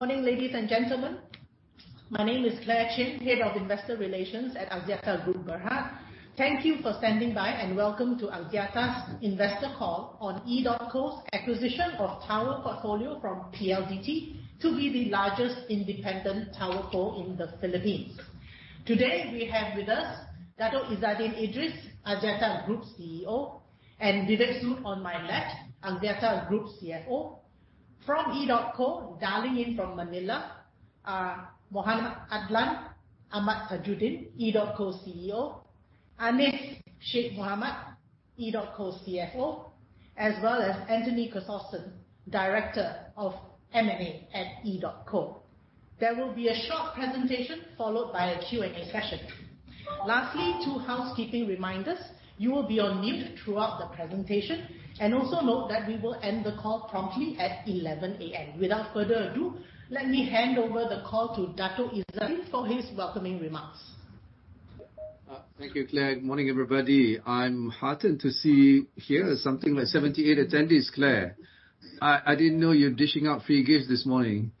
Morning, ladies and gentlemen. My name is Clare Chin, Head of Investor Relations at Axiata Group Berhad. Thank you for standing by and welcome to Axiata's investor call on EDOTCO's acquisition of tower portfolio from PLDT to be the largest independent tower co in the Philippines. Today, we have with us Dato' Mohd Izzaddin Idris, Axiata Group CEO, and Vivek Sood on my left, Axiata Group CFO. From EDOTCO, dialing in from Manila, Mohamed Adlan Ahmad Tajudin, EDOTCO CEO, Annis Sheikh Mohamed, EDOTCO CFO, as well as Anthony Crisostomo, Director of M&A at EDOTCO. There will be a short presentation followed by a Q&A session. Lastly, two housekeeping reminders. You will be on mute throughout the presentation, and also note that we will end the call promptly at 11:00 A.M. Without further ado, let me hand over the call to Dato' Mohd Izzaddin for his welcoming remarks. Thank you, Clare. Good morning, everybody. I'm heartened to see here something like 78 attendees, Clare. I didn't know you're dishing out free gifts this morning.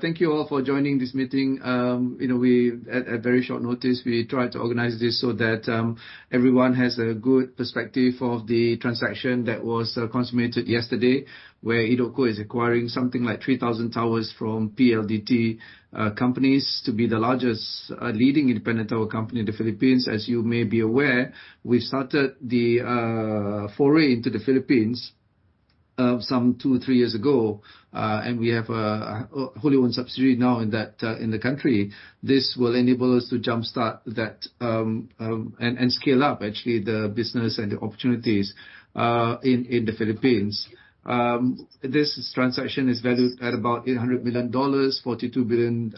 Thank you all for joining this meeting. We tried to organize this at very short notice so that everyone has a good perspective of the transaction that was consummated yesterday, where EDOTCO is acquiring something like 3,000 towers from PLDT companies to be the largest leading independent tower company in the Philippines. As you may be aware, we started the foray into the Philippines some two to three years ago. We have a wholly owned subsidiary now in that country. This will enable us to jump-start that, and scale up actually the business and the opportunities in the Philippines. This transaction is valued at about $800 million, 42 billion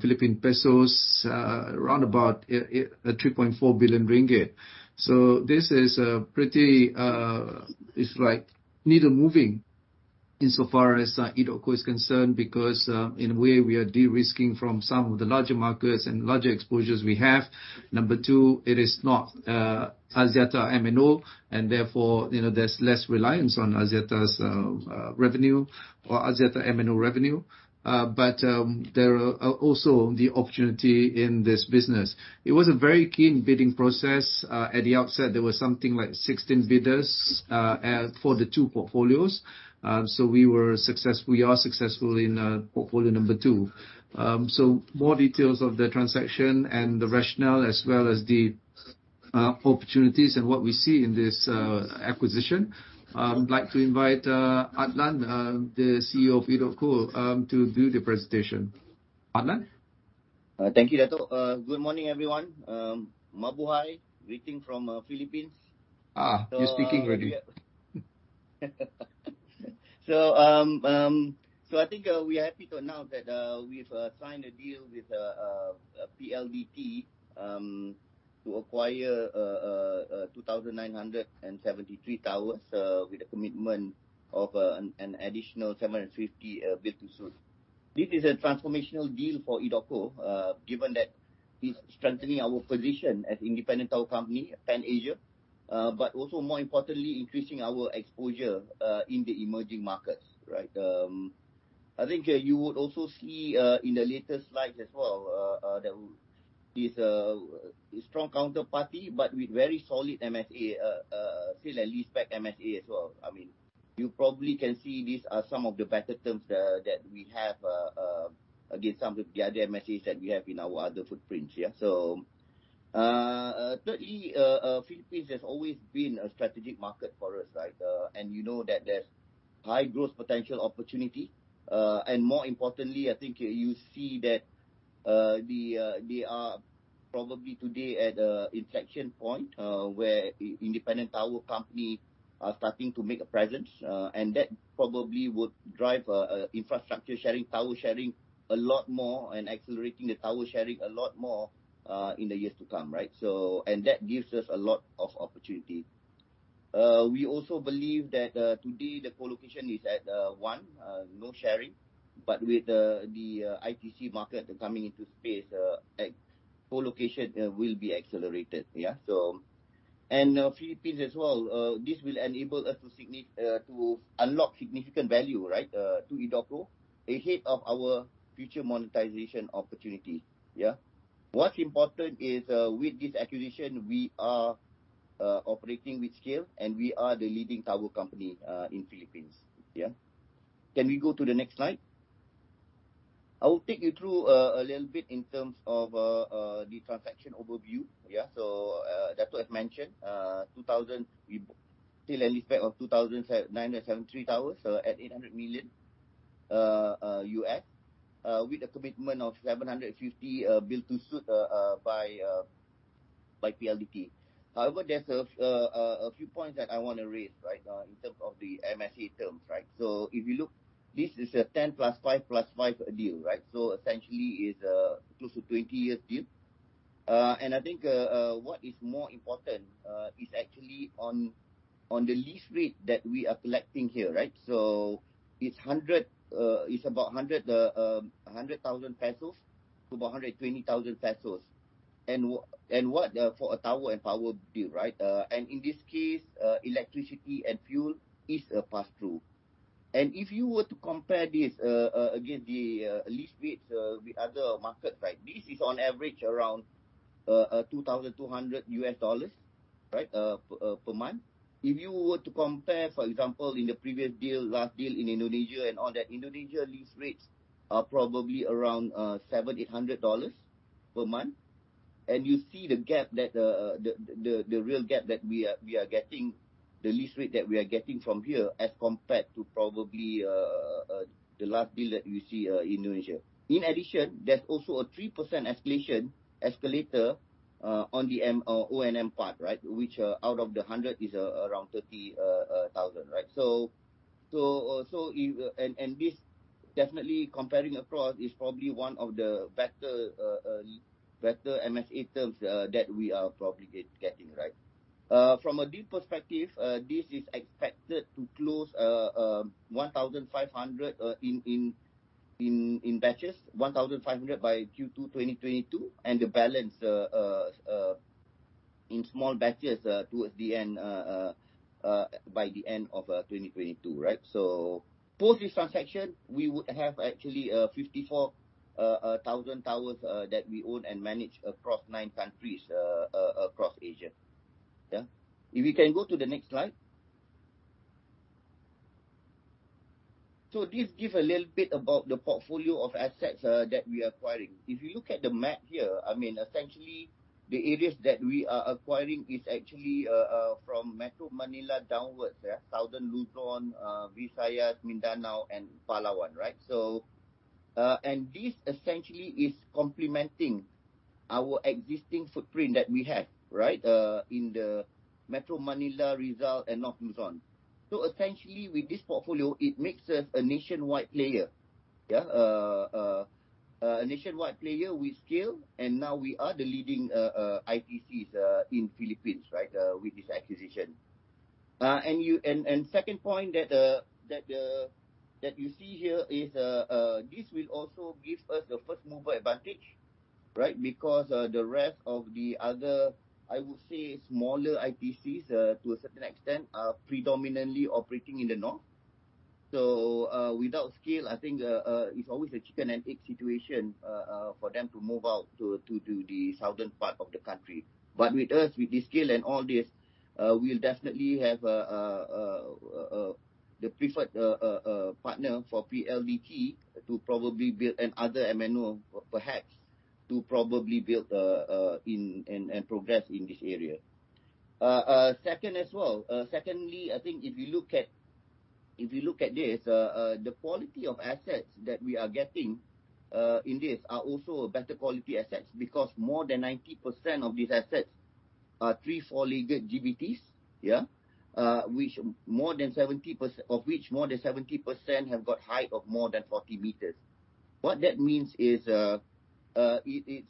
Philippine pesos, around about 3.4 billion ringgit. This is pretty, it's like needle moving in so far as EDOTCO is concerned because in a way we are de-risking from some of the larger markets and larger exposures we have. Number two, it is not Axiata MNO, and therefore, you know, there's less reliance on Axiata's revenue or Axiata MNO revenue. There are also the opportunity in this business. It was a very keen bidding process. At the outset, there was something like 16 bidders for the two portfolios. We were success. We are successful in portfolio number two. More details of the transaction and the rationale as well as the opportunities and what we see in this acquisition, I'd like to invite Adlan, the CEO of EDOTCO, to do the presentation. Adlan? Thank you, Dato'. Good morning, everyone. Mabuhay. Greetings from the Philippines. Ah. Yeah. You're speaking already. I think we are happy to announce that we've signed a deal with PLDT to acquire 2,973 towers with a commitment of an additional 750 build to suit. This is a transformational deal for EDOTCO given that it's strengthening our position as independent tower company pan Asia. Also more importantly, increasing our exposure in the emerging markets, right? I think you would also see in the later slides as well that is a strong counterparty, but with very solid MSA still a lease back MSA as well. I mean, you probably can see these are some of the better terms that we have against some of the other MSAs that we have in our other footprints. Yeah. Thirdly, Philippines has always been a strategic market for us, right? You know that there's high growth potential opportunity. More importantly, I think you see that they are probably today at an inflection point where independent tower companies are starting to make a presence. That probably would drive infrastructure sharing, tower sharing a lot more and accelerating the tower sharing a lot more in the years to come, right? That gives us a lot of opportunity. We also believe that today the co-location is at one, no sharing, but with the ITC market coming into space, co-location will be accelerated. Philippines as well, this will enable us to unlock significant value, right, to EDOTCO ahead of our future monetization opportunity. What's important is, with this acquisition, we are operating with scale, and we are the leading tower company in Philippines. Can we go to the next slide? I will take you through a little bit in terms of the transaction overview. Dato' had mentioned 2,000. We still have a leaseback of 2,973 towers at $800 million with a commitment of 750 build to suit by PLDT. However, there's a few points that I wanna raise, right? In terms of the MSA terms, right? If you look, this is a 10 + 5 + 5 deal, right? Essentially is close to 20 years deal. I think what is more important is actually on the lease rate that we are collecting here, right? It's about 100,000-120,000 pesos for a tower and power deal, right? In this case, electricity and fuel is pass through. If you were to compare this against the lease rates with other markets, right? This is on average around $2,200, right? Per month. If you were to compare, for example, in the previous deal, last deal in Indonesia and all that, Indonesia lease rates are probably around $700-$800 per month. You see the gap, the real gap that we are getting. The lease rate that we are getting from here as compared to probably the last deal that you see in Indonesia. In addition, there's also a 3% escalation escalator on the O&M part, right? Which out of the hundred is around 30,000, right? This definitely comparing across is probably one of the better MSA terms that we are probably getting, right? From a deal perspective, this is expected to close 1,500 in batches. 1,500 by Q2 2022, and the balance in small batches towards the end by the end of 2022, right? Post this transaction, we would have actually 54,000 towers that we own and manage across nine countries across Asia. Yeah. If you can go to the next slide. This give a little bit about the portfolio of assets that we are acquiring. If you look at the map here, I mean, essentially the areas that we are acquiring is actually from Metro Manila downwards, yeah. Southern Luzon, Visayas, Mindanao and Palawan, right? This essentially is complementing our existing footprint that we have, right? In the Metro Manila, Rizal and North Luzon. Essentially with this portfolio, it makes us a nationwide player, yeah. A nationwide player with scale, and now we are the leading ITCs in the Philippines, right? With this acquisition. Second point that you see here is this will also give us the first mover advantage, right? Because the rest of the other, I would say, smaller ITCs to a certain extent, are predominantly operating in the north. Without scale, I think it's always a chicken and egg situation for them to move out to the southern part of the country. With us, with the scale and all this, we'll definitely have the preferred partner for PLDT to probably build and other MNO perhaps to probably build in and progress in this area. Secondly, I think if you look at this, the quality of assets that we are getting in this are also better quality assets. Because more than 90% of these assets are three, four-legged GBTs. Of which more than 70% have got height of more than 40 meters. What that means is, it is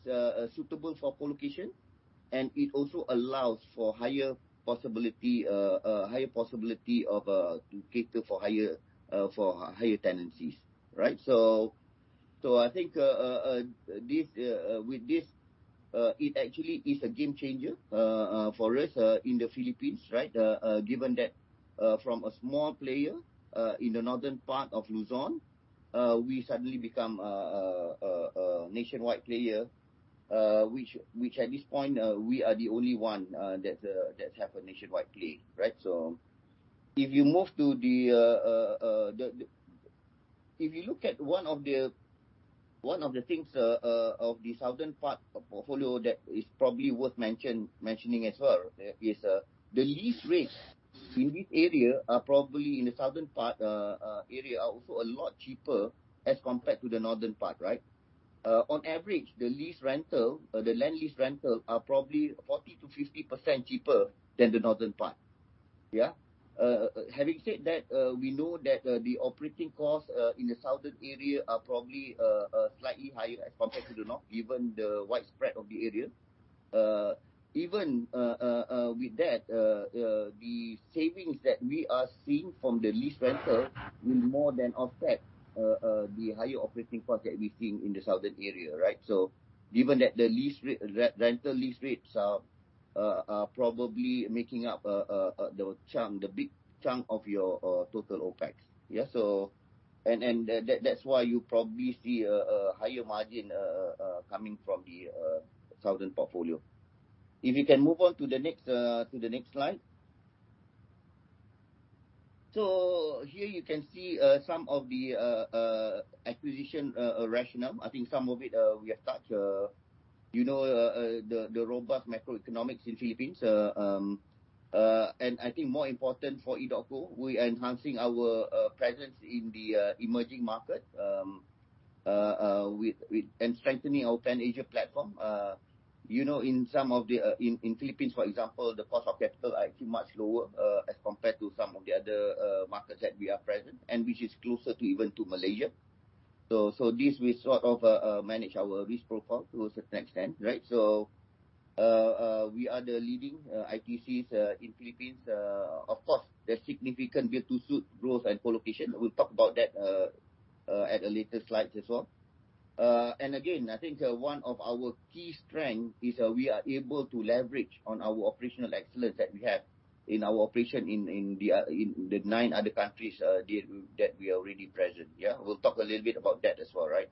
suitable for co-location, and it also allows for higher possibility to cater for higher tenancies, right? I think with this, it actually is a game changer for us in the Philippines, right? Given that, from a small player in the northern part of Luzon, we suddenly become a nationwide player, which at this point, we are the only one that have a nationwide play, right? If you move to the the. If you look at one of the things of the southern part portfolio that is probably worth mentioning as well is the lease rates in this area are probably in the southern part area. Also a lot cheaper as compared to the northern part, right? Having said that, we know that the operating costs in the southern area are probably slightly higher as compared to the north, given the widespread of the area. Even with that, the savings that we are seeing from the lease rental will more than offset the higher operating cost that we're seeing in the southern area, right? Given that the rental lease rates are probably making up the big chunk of your total OpEx, yeah. That's why you probably see a higher margin coming from the southern portfolio. If you can move on to the next slide. Here you can see some of the acquisition rationale. I think some of it we have touched you know the robust macroeconomics in Philippines. I think more important for EDOTCO, we are enhancing our presence in the emerging market with strengthening our Pan-Asia platform. You know, in the Philippines, for example, the cost of capital are actually much lower as compared to some of the other markets that we are present and which is closer to even to Malaysia. This will sort of manage our risk profile to a certain extent, right? We are the leading ITCs in the Philippines. Of course, there's significant build-to-suit growth and co-location. We'll talk about that at a later slide as well. Again, I think one of our key strength is that we are able to leverage on our operational excellence that we have in our operation in the nine other countries that we are already present, yeah. We'll talk a little bit about that as well, right.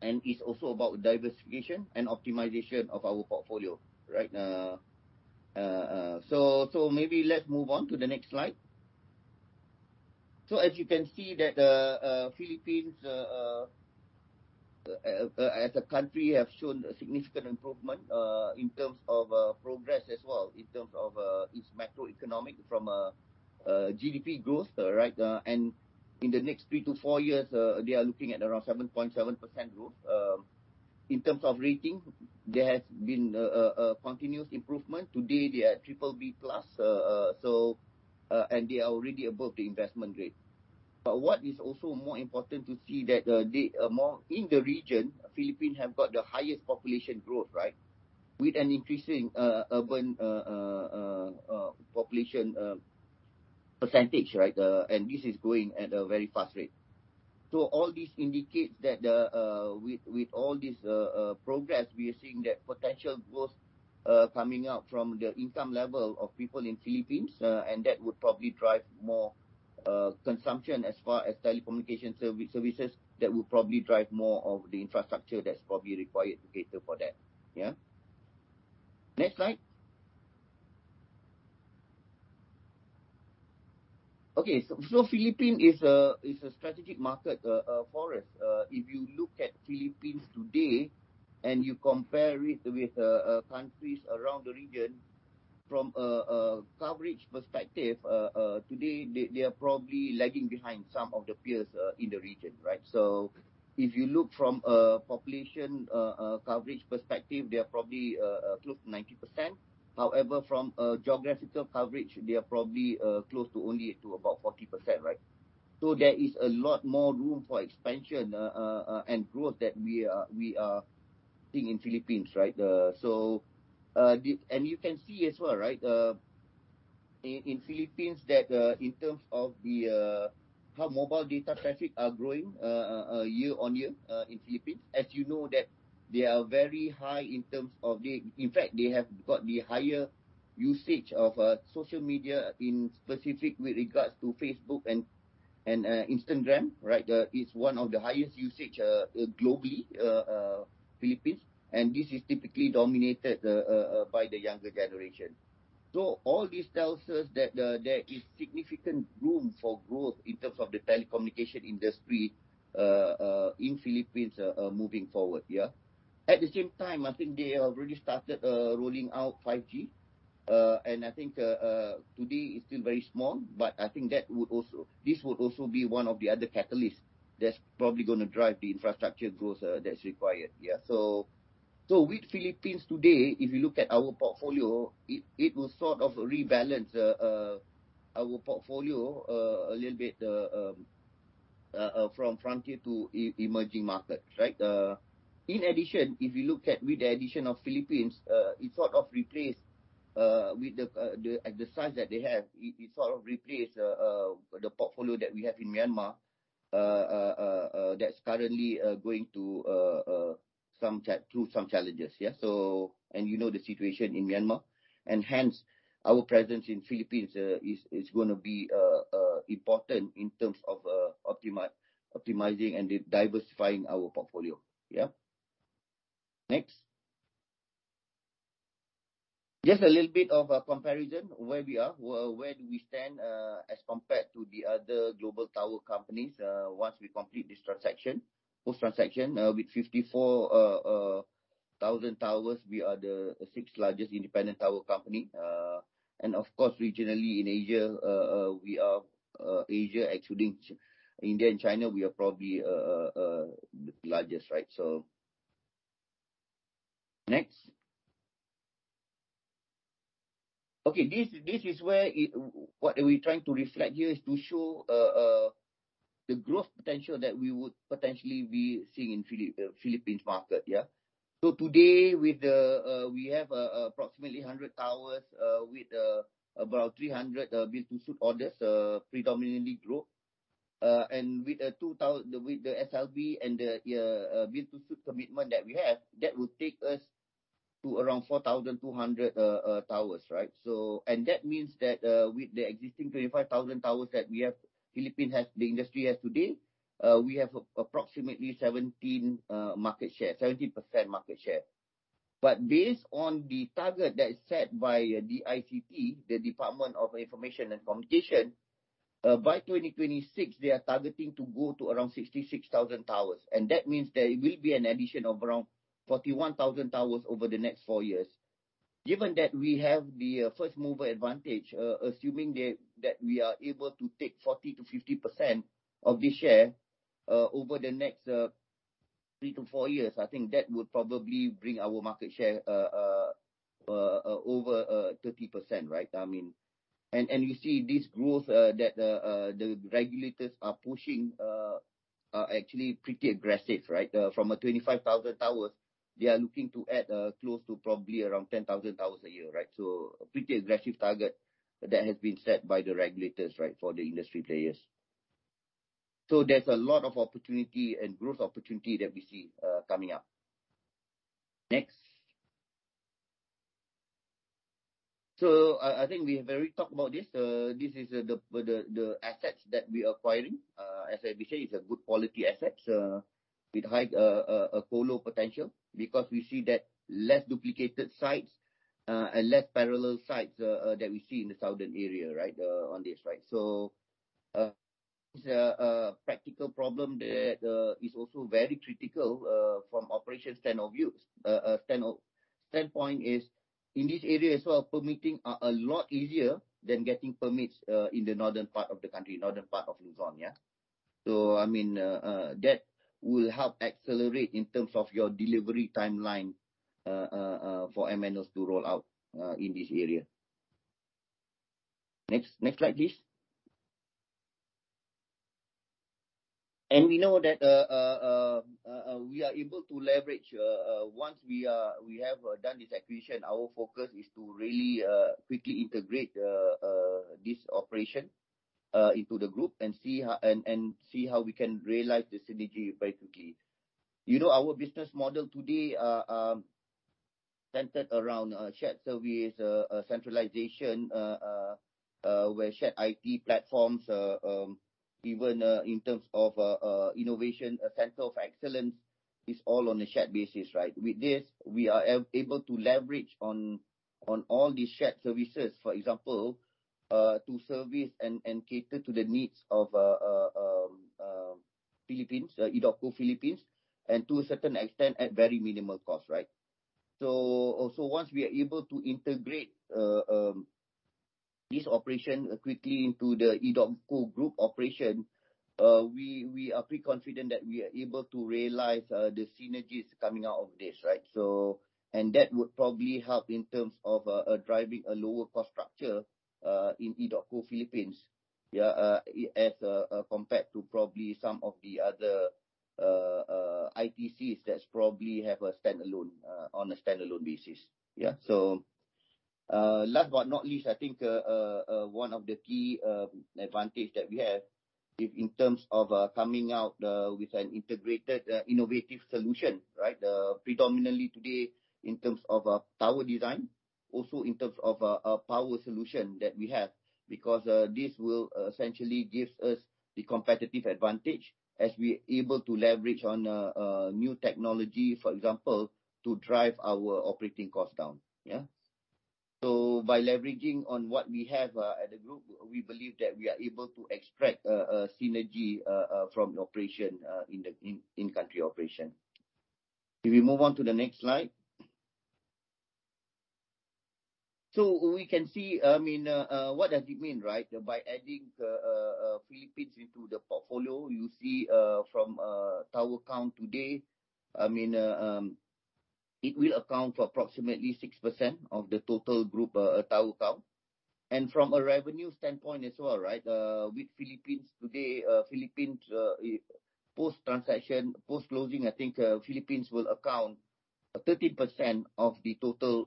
It's also about diversification and optimization of our portfolio, right. Maybe let's move on to the next slide. As you can see, the Philippines as a country have shown a significant improvement in terms of progress as well, in terms of its macroeconomic front, GDP growth, right. In the next three to four years, they are looking at around 7.7% growth. In terms of rating, there has been a continuous improvement. Today, they are BBB+. They are already above the investment grade. What is also more important to see that more in the region, the Philippines have got the highest population growth, right? With an increasing urban population percentage, right. This is growing at a very fast rate. All this indicates that with all this progress, we are seeing that potential growth coming out from the income level of people in Philippines. That would probably drive more consumption as far as telecommunication services. That will probably drive more of the infrastructure that's probably required to cater for that. Yeah. Next slide. Okay. Philippines is a strategic market for us. If you look at Philippines today and you compare it with countries around the region from a coverage perspective, today they are probably lagging behind some of the peers in the region, right? If you look from a population coverage perspective, they are probably close to 90%. However, from a geographical coverage, they are probably close to only about 40%, right? There is a lot more room for expansion and growth that we are seeing in Philippines, right. You can see as well, right, in Philippines that in terms of the how mobile data traffic are growing year-on-year in Philippines. As you know that they are very high in terms of the. In fact, they have got the higher usage of social media in specific with regards to Facebook and Instagram, right. It's one of the highest usage globally, Philippines, and this is typically dominated by the younger generation. All this tells us that there is significant room for growth in terms of the telecommunication industry in Philippines moving forward, yeah. At the same time, I think they have already started rolling out 5G. I think today it's still very small, but this would also be one of the other catalysts that's probably gonna drive the infrastructure growth that's required. Yeah. With Philippines today, if you look at our portfolio, it will sort of rebalance our portfolio a little bit from frontier to emerging market, right. In addition, if you look at with the addition of Philippines, it sort of replace with the at the size that they have, it sort of replace the portfolio that we have in Myanmar, that's currently going through some challenges. Yeah. You know the situation in Myanmar. Hence, our presence in Philippines is gonna be important in terms of optimizing and diversifying our portfolio. Yeah. Next. Just a little bit of a comparison where we are. Where do we stand as compared to the other global tower companies once we complete this transaction. Post-transaction with 54,000 towers, we are the sixth largest independent tower company. Of course, regionally in Asia, we are Asia excluding India and China, we are probably the largest, right? Next. Okay. What are we trying to reflect here is to show the growth potential that we would potentially be seeing in Philippines market, yeah. Today with the, we have approximately 100 towers with about 300 build-to-suit orders, predominantly growth. With the SLB and the build-to-suit commitment that we have, that will take us to around 4,200 towers, right? That means that with the existing 25,000 towers that we have, Philippines has, the industry has today, we have approximately 17 market share, 17% market share. Based on the target that is set by DICT, the Department of Information and Communications Technology, by 2026, they are targeting to go to around 66,000 towers. That means there will be an addition of around 41,000 towers over the next four years. Given that we have the first-mover advantage, assuming that we are able to take 40%-50% of the share over the next three to four years, I think that would probably bring our market share over 30%, right? I mean, you see this growth that the regulators are pushing, actually pretty aggressive, right? From 25,000 towers, they are looking to add close to probably around 10,000 towers a year, right? A pretty aggressive target that has been set by the regulators, right, for the industry players. There's a lot of opportunity and growth opportunity that we see coming up. Next. I think we have already talked about this. This is the assets that we are acquiring. As I mentioned, it's a good quality assets with high follow potential because we see that less duplicated sites and less parallel sites that we see in the southern area, right, on this, right? It's a practical problem that is also very critical from operational standpoint of view in this area as well. Permitting are a lot easier than getting permits in the northern part of the country, northern part of Luzon, yeah. I mean, that will help accelerate in terms of your delivery timeline for MNOs to roll out in this area. Next slide please. We know that we are able to leverage, once we have done this acquisition, our focus is to really quickly integrate this operation into the group and see how we can realize the synergy very quickly. You know, our business model today centered around shared service centralization where shared IT platforms, even in terms of innovation, a center of excellence is all on a shared basis, right? With this, we are able to leverage on all these shared services. For example, to service and cater to the needs of the Philippines, EDOTCO Philippines, and to a certain extent, at very minimal cost, right? Once we are able to integrate this operation quickly into the EDOTCO group operation, we are pretty confident that we are able to realize the synergies coming out of this, right? That would probably help in terms of driving a lower cost structure in EDOTCO Philippines, yeah, as compared to probably some of the other ITCs that probably have a standalone basis. Yeah. Last but not least, I think one of the key advantage that we have is in terms of coming out with an integrated innovative solution, right? Predominantly today in terms of tower design, also in terms of a power solution that we have. Because this will essentially give us the competitive advantage as we're able to leverage on new technology, for example, to drive our operating cost down. Yeah. By leveraging on what we have at the group, we believe that we are able to extract synergy from the operation in the in-country operation. Can we move on to the next slide? We can see, I mean, what does it mean, right? By adding Philippines into the portfolio, you see, from tower count today, I mean, it will account for approximately 6% of the total group tower count. From a revenue standpoint as well, right? With Philippines today, post-transaction, post-closing, I think Philippines will account 30% of the total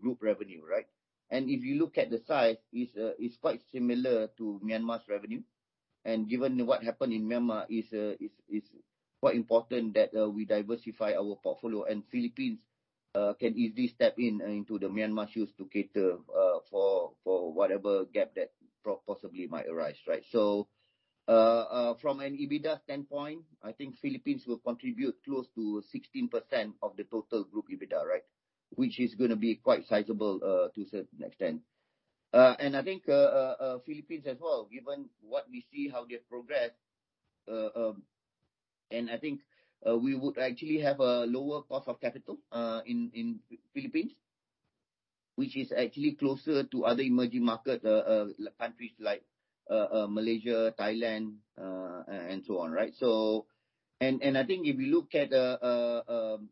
group revenue, right? If you look at the size, it's quite similar to Myanmar's revenue. Given what happened in Myanmar, it is quite important that we diversify our portfolio. Philippines can easily step into the Myanmar shoes to cater for whatever gap that possibly might arise, right? From an EBITDA standpoint, I think Philippines will contribute close to 16% of the total group EBITDA, right? Which is gonna be quite sizable to a certain extent. I think Philippines as well, given what we see, how they progress, and I think we would actually have a lower cost of capital in Philippines. Which is actually closer to other emerging markets, countries like Malaysia, Thailand, and so on, right? I think if you look at the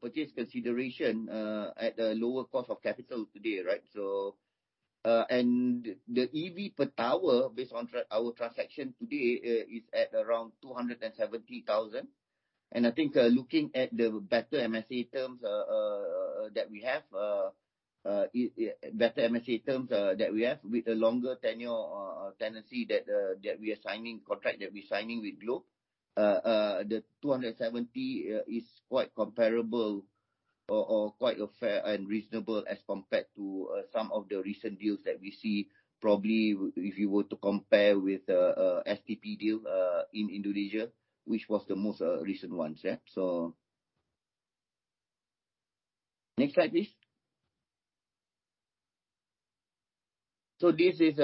purchase consideration at the lower cost of capital today, right? The EV per tower based on our transaction today is at around $270,000. I think looking at the better MSA terms that we have with a longer tenure tenancy contract that we're signing with Glo, the $270,000 is quite comparable or quite a fair and reasonable as compared to some of the recent deals that we see. Probably if you were to compare with STP deal in Indonesia, which was the most recent one. Yeah. Next slide, please. This is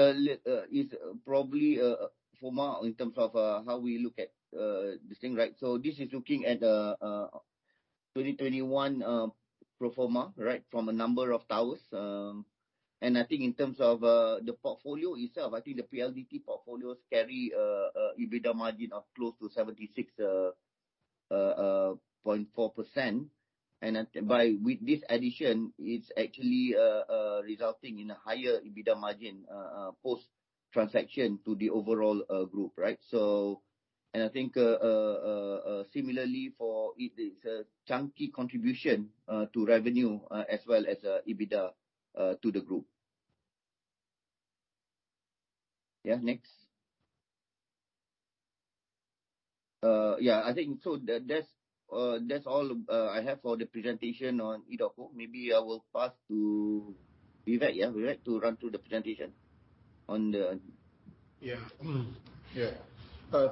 probably formal in terms of how we look at this thing, right? This is looking at 2021 pro forma, right? From a number of towers. I think in terms of the portfolio itself, I think the PLDT portfolios carry EBITDA margin of close to 76%. 0.4%. With this addition, it's actually resulting in a higher EBITDA margin post-transaction to the overall group, right? I think similarly for EDOTCO it's a chunky contribution to revenue as well as EBITDA to the group. Yeah, next. Yeah. I think that's all I have for the presentation on EDOTCO. Maybe I will pass to Vivek. Vivek, to run through the presentation on the-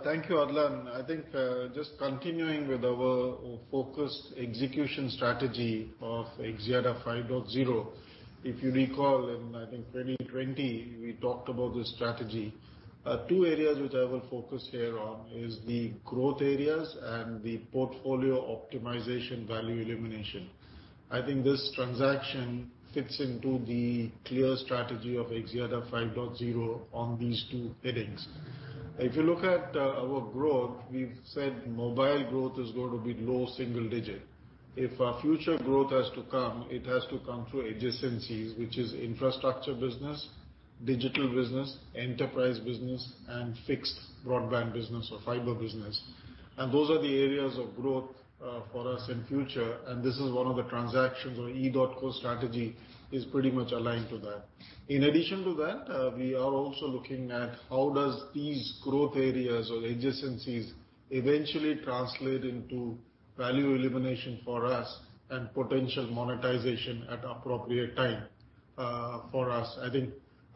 Thank you, Adlan. I think just continuing with our focused execution strategy of Axiata 5.0. If you recall in, I think, 2020, we talked about this strategy. Two areas which I will focus here on is the growth areas and the portfolio optimization value elimination. I think this transaction fits into the clear strategy of Axiata 5.0 on these two headings. If you look at our growth, we've said mobile growth is going to be low single digit. If our future growth has to come, it has to come through adjacencies, which is infrastructure business, digital business, enterprise business, and fixed broadband business or fiber business. Those are the areas of growth for us in future, and this is one of the transactions where EDOTCO strategy is pretty much aligned to that. In addition to that, we are also looking at how these growth areas or adjacencies eventually translate into value creation for us and potential monetization at appropriate time, for us. I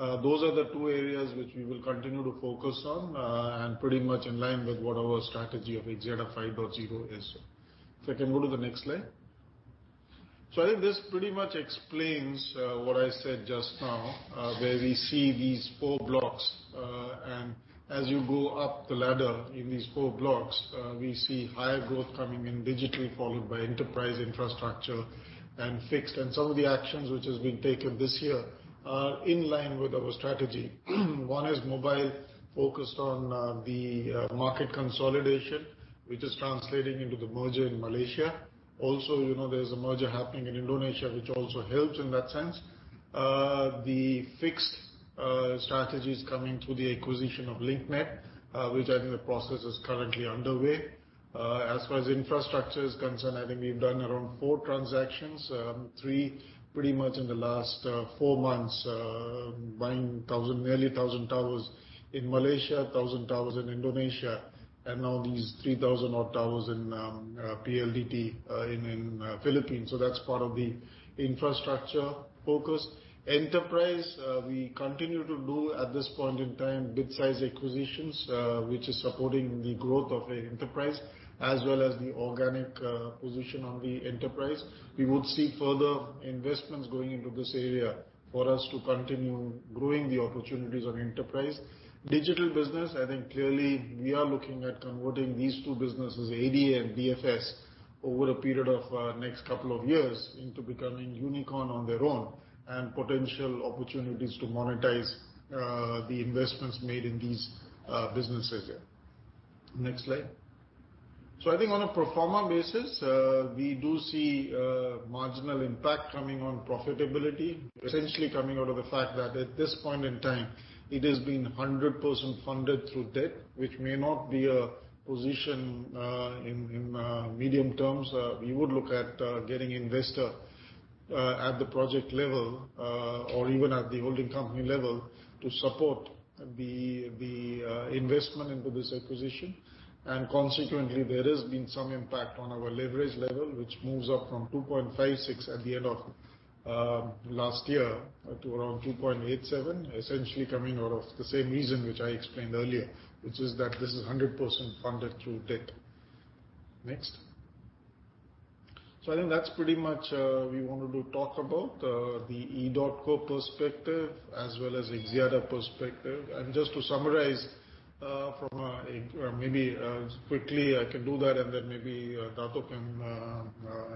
think, those are the two areas which we will continue to focus on, and pretty much in line with what our strategy of Axiata 5.0 is. If I can go to the next slide. I think this pretty much explains what I said just now, where we see these four blocks. As you go up the ladder in these four blocks, we see higher growth coming in digital, followed by enterprise infrastructure and fixed. Some of the actions which has been taken this year are in line with our strategy. One is mobile, focused on the market consolidation which is translating into the merger in Malaysia. You know, there's a merger happening in Indonesia, which also helps in that sense. The fixed strategy is coming through the acquisition of Link Net, which I think the process is currently underway. As far as infrastructure is concerned, I think we've done around four transactions. Three pretty much in the last four months, buying nearly 1,000 towers in Malaysia, 1,000 towers in Indonesia, and now these 3,000-odd towers in PLDT in Philippines. That's part of the infrastructure focus. Enterprise, we continue to do at this point in time bite-size acquisitions, which is supporting the growth of a enterprise as well as the organic position on the enterprise. We would see further investments going into this area for us to continue growing the opportunities on enterprise. Digital business, I think clearly we are looking at converting these two businesses, ADA and BFS, over a period of next couple of years into becoming unicorn on their own and potential opportunities to monetize the investments made in these businesses here. Next slide. I think on a pro forma basis, we do see marginal impact coming on profitability, essentially coming out of the fact that at this point in time it has been 100% funded through debt, which may not be a position in medium terms. We would look at getting investor at the project level or even at the holding company level to support the investment into this acquisition. Consequently, there has been some impact on our leverage level, which moves up from 2.56 at the end of last year to around 2.87, essentially coming out of the same reason which I explained earlier, which is that this is 100% funded through debt. Next. I think that's pretty much we wanted to talk about the EDOTCO perspective as well as Axiata perspective. Just to summarize, quickly I can do that and then maybe Dato' can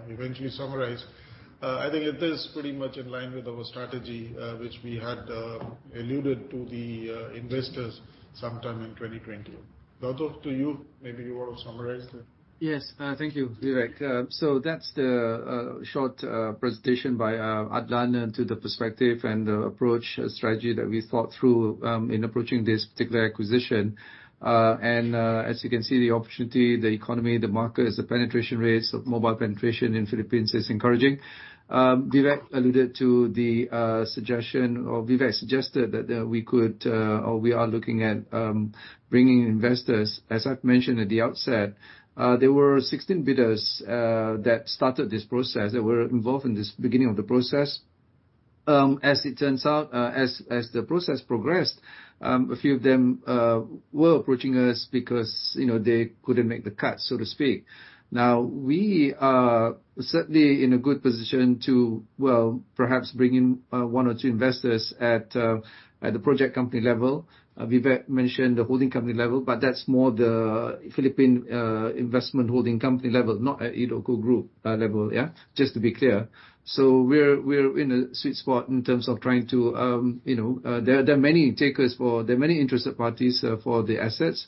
eventually summarize. I think it is pretty much in line with our strategy, which we had alluded to the investors sometime in 2020. Dato', to you, maybe you want to summarize the- Yes. Thank you, Vivek. That's the short presentation by Adlan to the perspective and the approach strategy that we thought through in approaching this particular acquisition. As you can see, the opportunity, the economy, the markets, the penetration rates of mobile penetration in Philippines is encouraging. Vivek alluded to the suggestion or Vivek suggested that we could or we are looking at bringing investors. As I've mentioned at the outset, there were 16 bidders that started this process, that were involved in this beginning of the process. As it turns out, as the process progressed, a few of them were approaching us because, you know, they couldn't make the cut, so to speak. Now, we are certainly in a good position to, well, perhaps bring in one or two investors at the project company level. Vivek mentioned the holding company level, but that's more the Philippine investment holding company level, not at EDOTCO Group level, yeah. Just to be clear. We're in a sweet spot in terms of trying to, you know, there are many interested parties for the assets.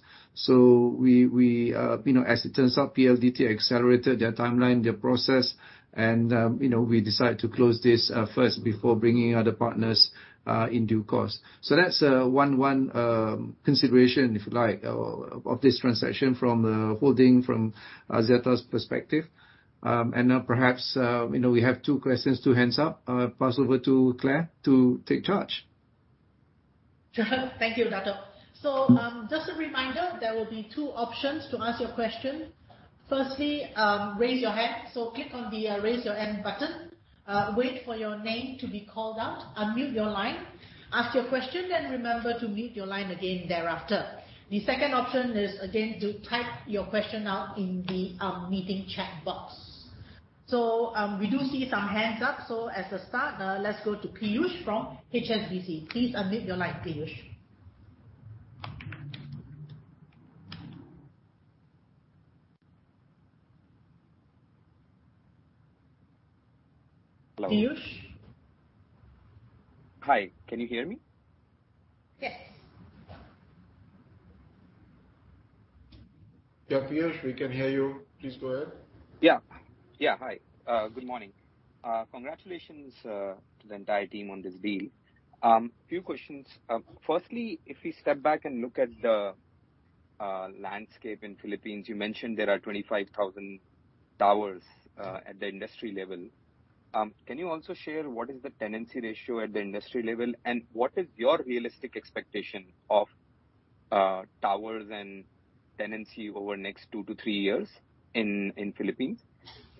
We, you know, as it turns out, PLDT accelerated their timeline, their process, and, you know, we decided to close this first before bringing other partners in due course. That's one consideration, if you like, of this transaction from the holding Axiata's perspective. Now perhaps, you know, we have two questions, two hands up. I'll pass over to Clare to take charge. Thank you, Dato'. Just a reminder, there will be two options to ask your question. Firstly, raise your hand. Click on the Raise Your Hand button, wait for your name to be called out, unmute your line, ask your question, then remember to mute your line again thereafter. The second option is, again, to type your question out in the meeting chat box. We do see some hands up. As a start, let's go to Piyush from HSBC. Please unmute your line, Piyush. Hello. Piyush? Hi, can you hear me? Yes. Yeah, Piyush, we can hear you. Please go ahead. Yeah. Yeah, hi. Good morning. Congratulations to the entire team on this deal. Few questions. Firstly, if we step back and look at the landscape in Philippines, you mentioned there are 25,000 towers at the industry level. Can you also share what is the tenancy ratio at the industry level, and what is your realistic expectation of towers and tenancy over the next two to three years in Philippines?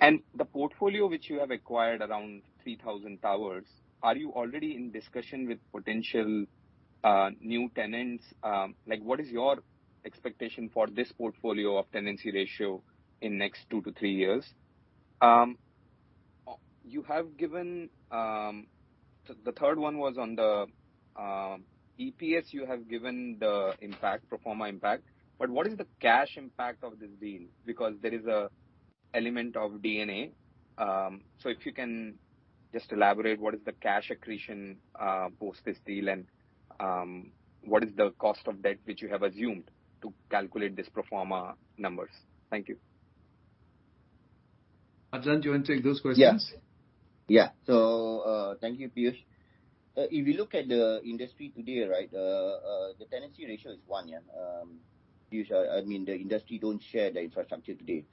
The portfolio which you have acquired around 3,000 towers, are you already in discussion with potential new tenants? Like, what is your expectation for this portfolio of tenancy ratio in next two to three years? The third one was on the EPS impact you have given, pro forma impact. What is the cash impact of this deal? Because there is an element of D&A. If you can just elaborate what is the cash accretion post this deal and what is the cost of debt which you have assumed to calculate this pro forma numbers. Thank you. Adlan, do you wanna take those questions? Thank you, Piyush. If you look at the industry today, the tenancy ratio is one, Piyush. I mean, the industry don't share the infrastructure today.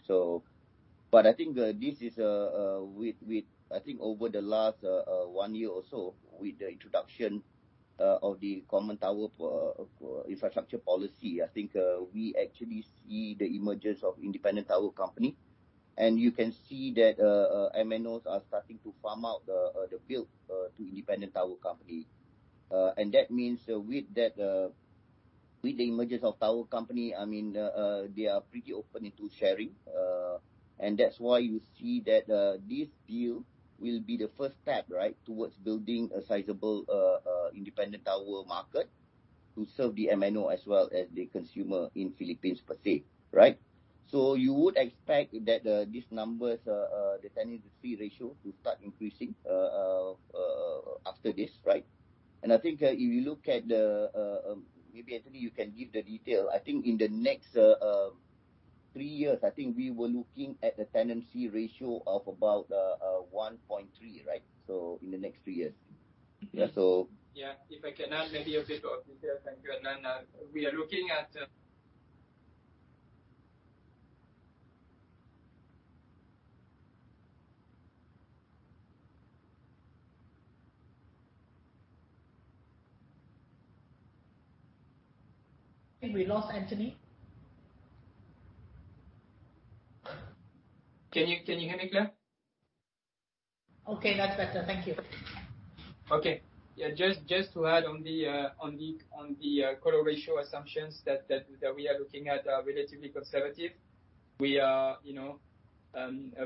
I think over the last one year or so with the introduction of the common tower for infrastructure policy, I think we actually see the emergence of independent tower company. You can see that MNOs are starting to farm out the build to independent tower company. That means with the emergence of tower company, I mean, they are pretty open to sharing. That's why you see that this deal will be the first step, right, towards building a sizable independent tower market to serve the MNO as well as the consumer in Philippines per se, right? You would expect that these numbers, the tenancy ratio to start increasing after this, right? I think if you look at the, maybe Anthony, you can give the detail. I think in the next three years, I think we were looking at a tenancy ratio of about 1.3, right? In the next three years. Mm-hmm. Yeah, so- Yeah. If I can add maybe a bit of detail. Thank you, Adnan. We are looking at... I think we lost Anthony. Can you hear me clear? Okay, that's better. Thank you. Okay. Yeah, just to add on the colo ratio assumptions that we are looking at are relatively conservative. We are, you know,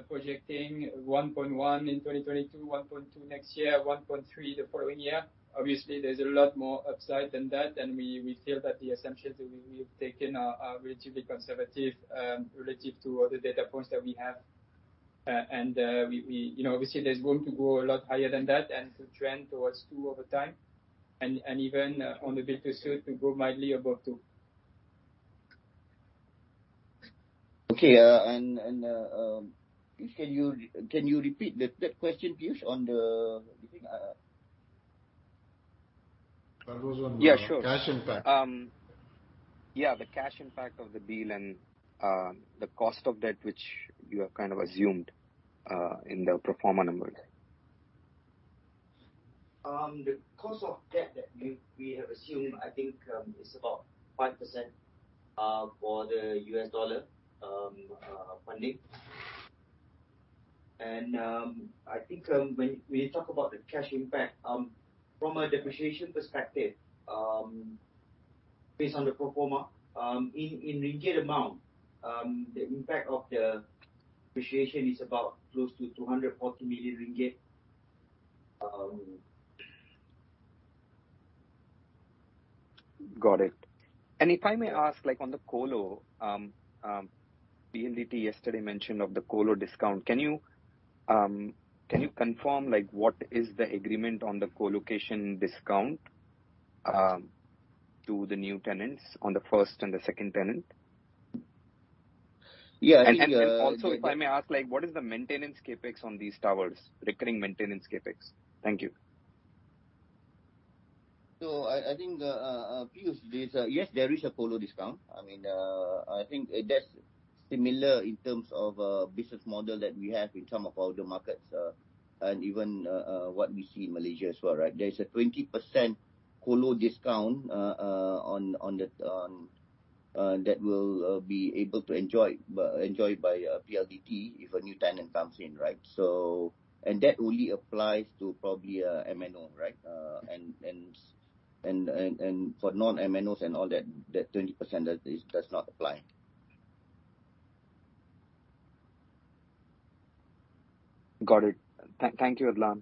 projecting 1.1 in 2022, 1.2 next year, 1.3 the following year. Obviously, there's a lot more upside than that, and we feel that the assumptions that we've taken are relatively conservative, relative to other data points that we have. And you know, obviously there's going to go a lot higher than that and to trend towards two over time and even on the build-to-suit to go mildly above two. Okay, Piyush, can you repeat the question, Piyush, on the you think? That was on the. Yeah, sure. Non-cash impact. Yeah, the cash impact of the deal and the cost of debt which you have kind of assumed in the pro forma numbers. The cost of debt that we have assumed, I think, is about 5% for the U.S. dollar funding. I think, when you talk about the cash impact from a depreciation perspective, based on the pro forma, in ringgit amount, the impact of the depreciation is about close to 240 million ringgit. Got it. If I may ask, like on the colo, PLDT yesterday mentioned of the colo discount. Can you confirm like what is the agreement on the co-location discount to the new tenants on the first and the second tenant? Yeah. Also if I may ask, like what is the maintenance CapEx on these towers, recurring maintenance CapEx? Thank you. I think, Piyush, this. Yes, there is a colo discount. I mean, I think that's similar in terms of business model that we have in some of our other markets, and even what we see in Malaysia as well, right? There's a 20% colo discount on that we'll be able to enjoy by PLDT if a new tenant comes in, right? That only applies to probably MNO, right? And for non-MNOs and all that 20% does not apply. Got it. Thank you, Adlan.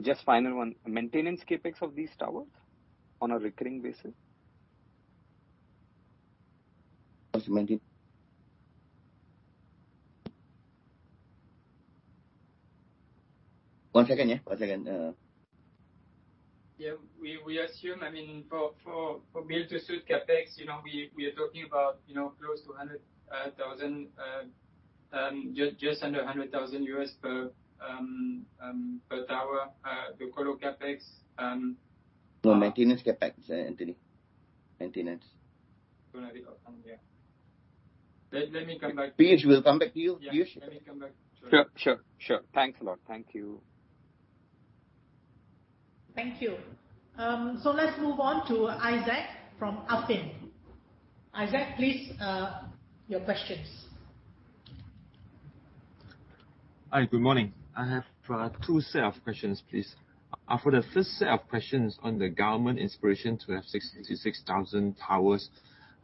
Just final one. Maintenance CapEx of these towers on a recurring basis. Just a moment. One second, yeah. Yeah. We assume, I mean, for build to suit CapEx, you know, we are talking about, you know, close to $100,000, just under $100,000 per tower. The colo CapEx. No maintenance CapEx, Anthony. Maintenance. Gonna be. Yeah. Let me come back to you. Piyush will come back to you. Yeah. Let me come back. Sure. Sure. Thanks a lot. Thank you. Thank you. Let's move on to Isaac from Affin. Isaac, please, your questions. Hi. Good morning. I have two set of questions, please. For the first set of questions on the government aspiration to have 66,000 towers,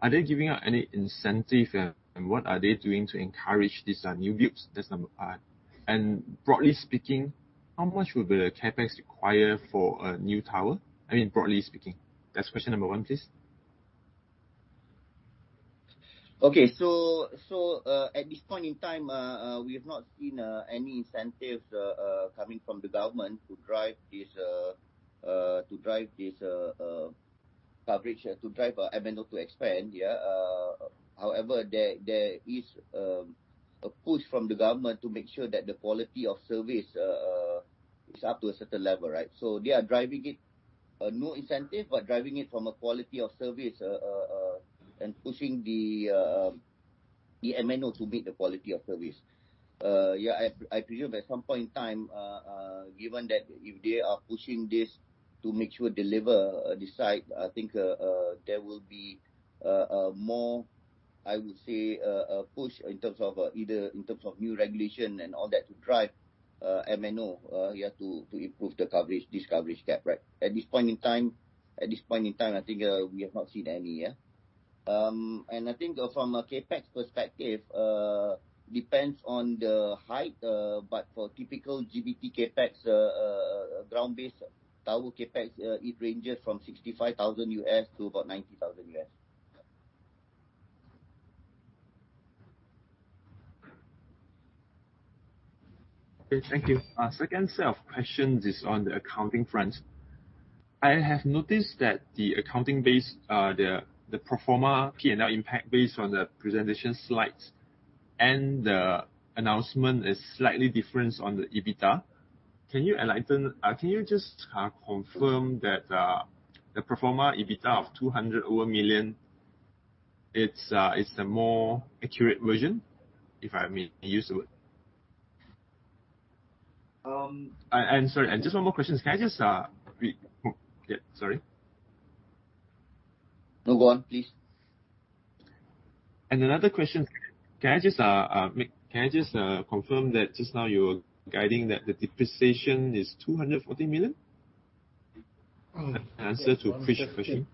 are they giving out any incentive, and what are they doing to encourage these new builds? That's number one. Broadly speaking, how much would be the CapEx required for a new tower? I mean, broadly speaking. That's question number one, please. Okay. At this point in time, we have not seen any incentive coming from the government to drive this coverage, to drive MNO to expand. Yeah. However, there is a push from the government to make sure that the quality of service is up to a certain level, right? They are driving it, no incentive, but driving it from a quality of service and pushing the MNO to meet the quality of service. Yeah. I presume at some point in time, given that if they are pushing this to make sure, I think there will be a more, I would say, a push in terms of either new regulation and all that to drive MNO to improve the coverage, this coverage gap, right? At this point in time, I think we have not seen any. I think from a CapEx perspective, it depends on the height, but for typical GBT CapEx, ground-based tower CapEx, it ranges from $65,000 to about $90,000. Okay. Thank you. Second set of questions is on the accounting front. I have noticed that the accounting basis, the pro forma P&L impact based on the presentation slides and the announcement is slightly different on the EBITDA. Can you just confirm that the pro forma EBITDA of over 200 million, it's the more accurate version, if I may use the word. Sorry, and just one more question. Can I just? Yeah, sorry. No, go on, please. Another question. Can I just confirm that just now you were guiding that the depreciation is 240 million? Answer to PH's question.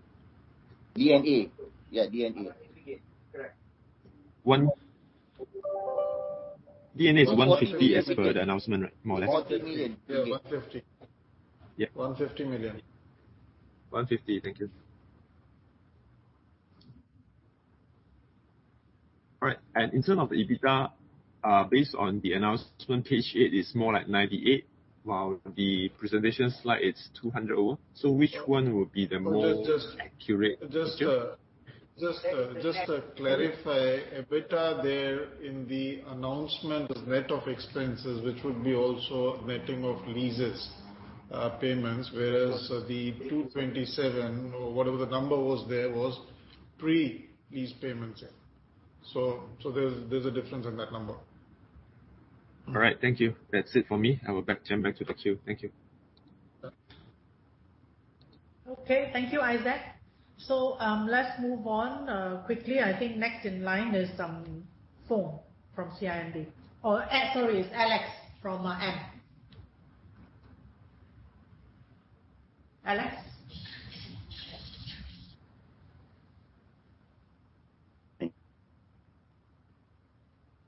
D&A. Yeah, D&A. Correct. D&A is 150 as per the announcement, right? More or less. 150 million. Yeah. 150. Yeah. 150 million. 150. Thank you. All right. In terms of EBITDA, based on the announcement, page eight is more like 98, while the presentation slide, it's over MYR 200. Which one would be the more- Just Accurate picture? Just to clarify, EBITDA there in the announcement is net of expenses, which would also be netting of lease payments, whereas the 227 or whatever the number was there was pre-lease payments. There's a difference in that number. All right. Thank you. That's it for me. I will turn back to the queue. Thank you. Okay. Thank you, Isaac. Let's move on quickly. I think next in line is Foong from CIMB. Or sorry, it's Alex from AM. Alex?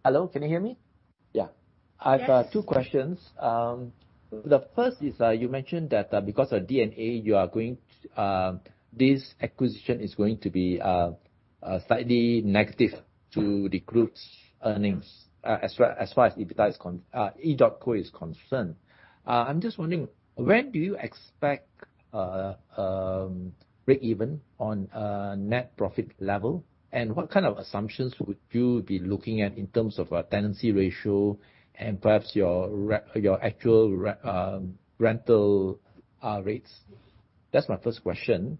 Hello, can you hear me? Yeah. Yes. I've two questions. The first is, you mentioned that because of D&A, this acquisition is going to be slightly negative to the group's earnings, as well, as far as EBITDA, EDOTCO is concerned. I'm just wondering, when do you expect break even on net profit level? And what kind of assumptions would you be looking at in terms of tenancy ratio and perhaps your actual rental rates? That's my first question.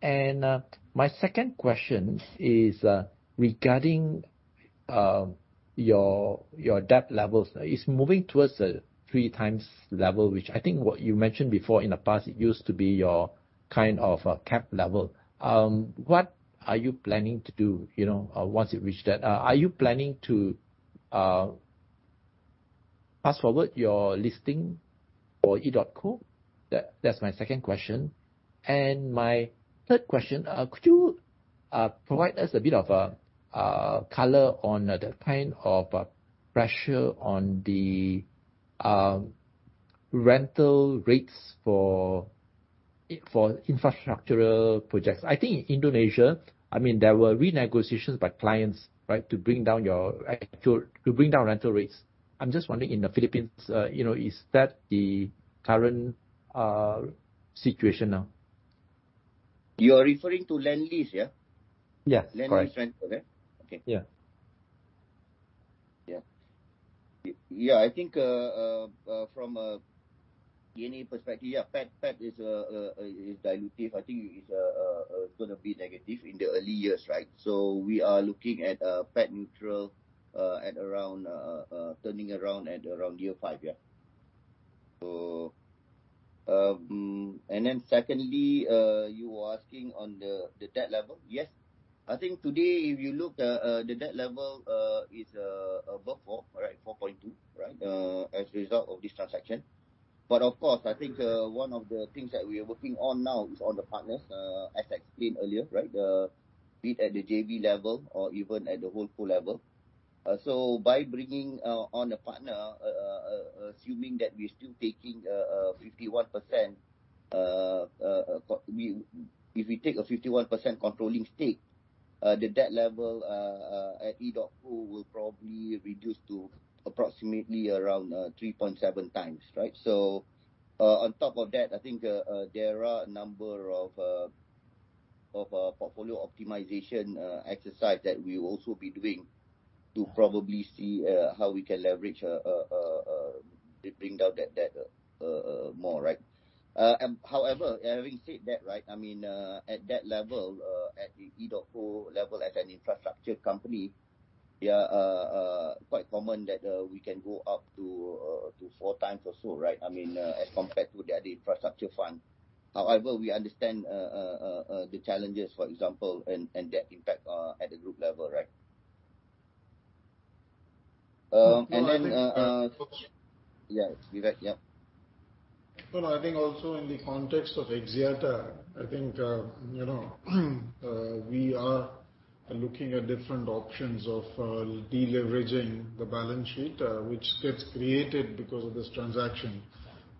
My second question is regarding your debt levels. It's moving towards a three times level, which I think what you mentioned before in the past, it used to be your kind of a cap level. What are you planning to do, you know, once it reach that? Are you planning to fast-forward your listing for EDOTCO? That's my second question. My third question, could you provide us a bit of a color on the kind of a pressure on the rental rates for infrastructural projects? I think Indonesia, I mean, there were renegotiations by clients, right? To bring down rental rates. I'm just wondering in the Philippines, you know, is that the current situation now? You're referring to land lease, yeah? Yeah. Correct. Land lease rental, yeah. Okay. Yeah. Yeah. I think from a D&A perspective, PAT is dilutive. I think it's gonna be negative in the early years, right? We are looking at PAT neutral at around turning around at around year five, yeah. Then secondly, you were asking on the debt level. Yes. I think today, if you look, the debt level is above four, right? 4.2, right? As a result of this transaction. Of course, one of the things that we are working on now is on the partners, as explained earlier, right? Be it at the JV level or even at the whole co level. By bringing on a partner, assuming that we're still taking 51%, if we take a 51% controlling stake, the debt level at EDOTCO will probably reduce to approximately around 3.7x, right? On top of that, I think, there are a number of portfolio optimization exercise that we will also be doing to probably see how we can leverage to bring down that debt more, right? However, having said that, right, I mean, at that level, at the EDOTCO level as an infrastructure company, yeah, quite common that we can go up to 4x or so, right? I mean, as compared to the other infrastructure fund. However, we understand the challenges, for example, and that impact at the group level, right? Then, No, I think. Yeah. Vivek, yeah. No, I think also in the context of Axiata, I think, you know, we are looking at different options of deleveraging the balance sheet, which gets created because of this transaction.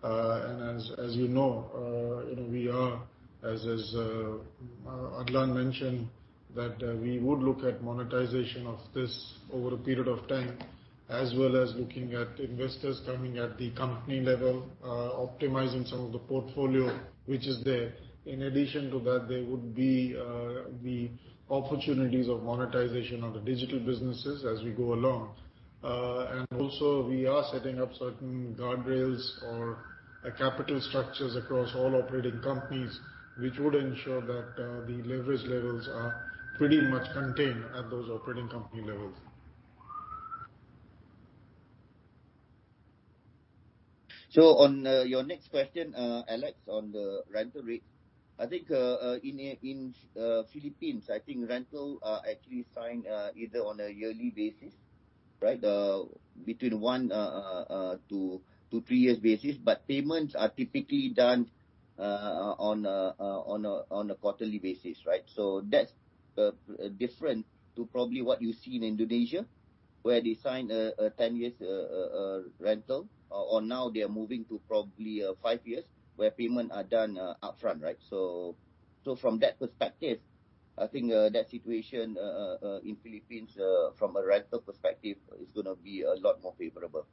As you know, you know, we are, as Adlan mentioned, we would look at monetization of this over a period of time, as well as looking at investors coming at the company level, optimizing some of the portfolio which is there. In addition to that, there would be the opportunities of monetization of the digital businesses as we go along. Also we are setting up certain guardrails or a capital structures across all operating companies, which would ensure that the leverage levels are pretty much contained at those operating company levels. On your next question, Alex, on the rental rate. I think in Philippines, I think rental are actually signed either on a yearly basis, right? Between one to three years basis, but payments are typically done on a quarterly basis, right? That's different to probably what you see in Indonesia, where they sign a 10 years rental, or now they're moving to probably five years where payment are done up front, right? From that perspective, I think that situation in Philippines from a rental perspective is gonna be a lot more favorable.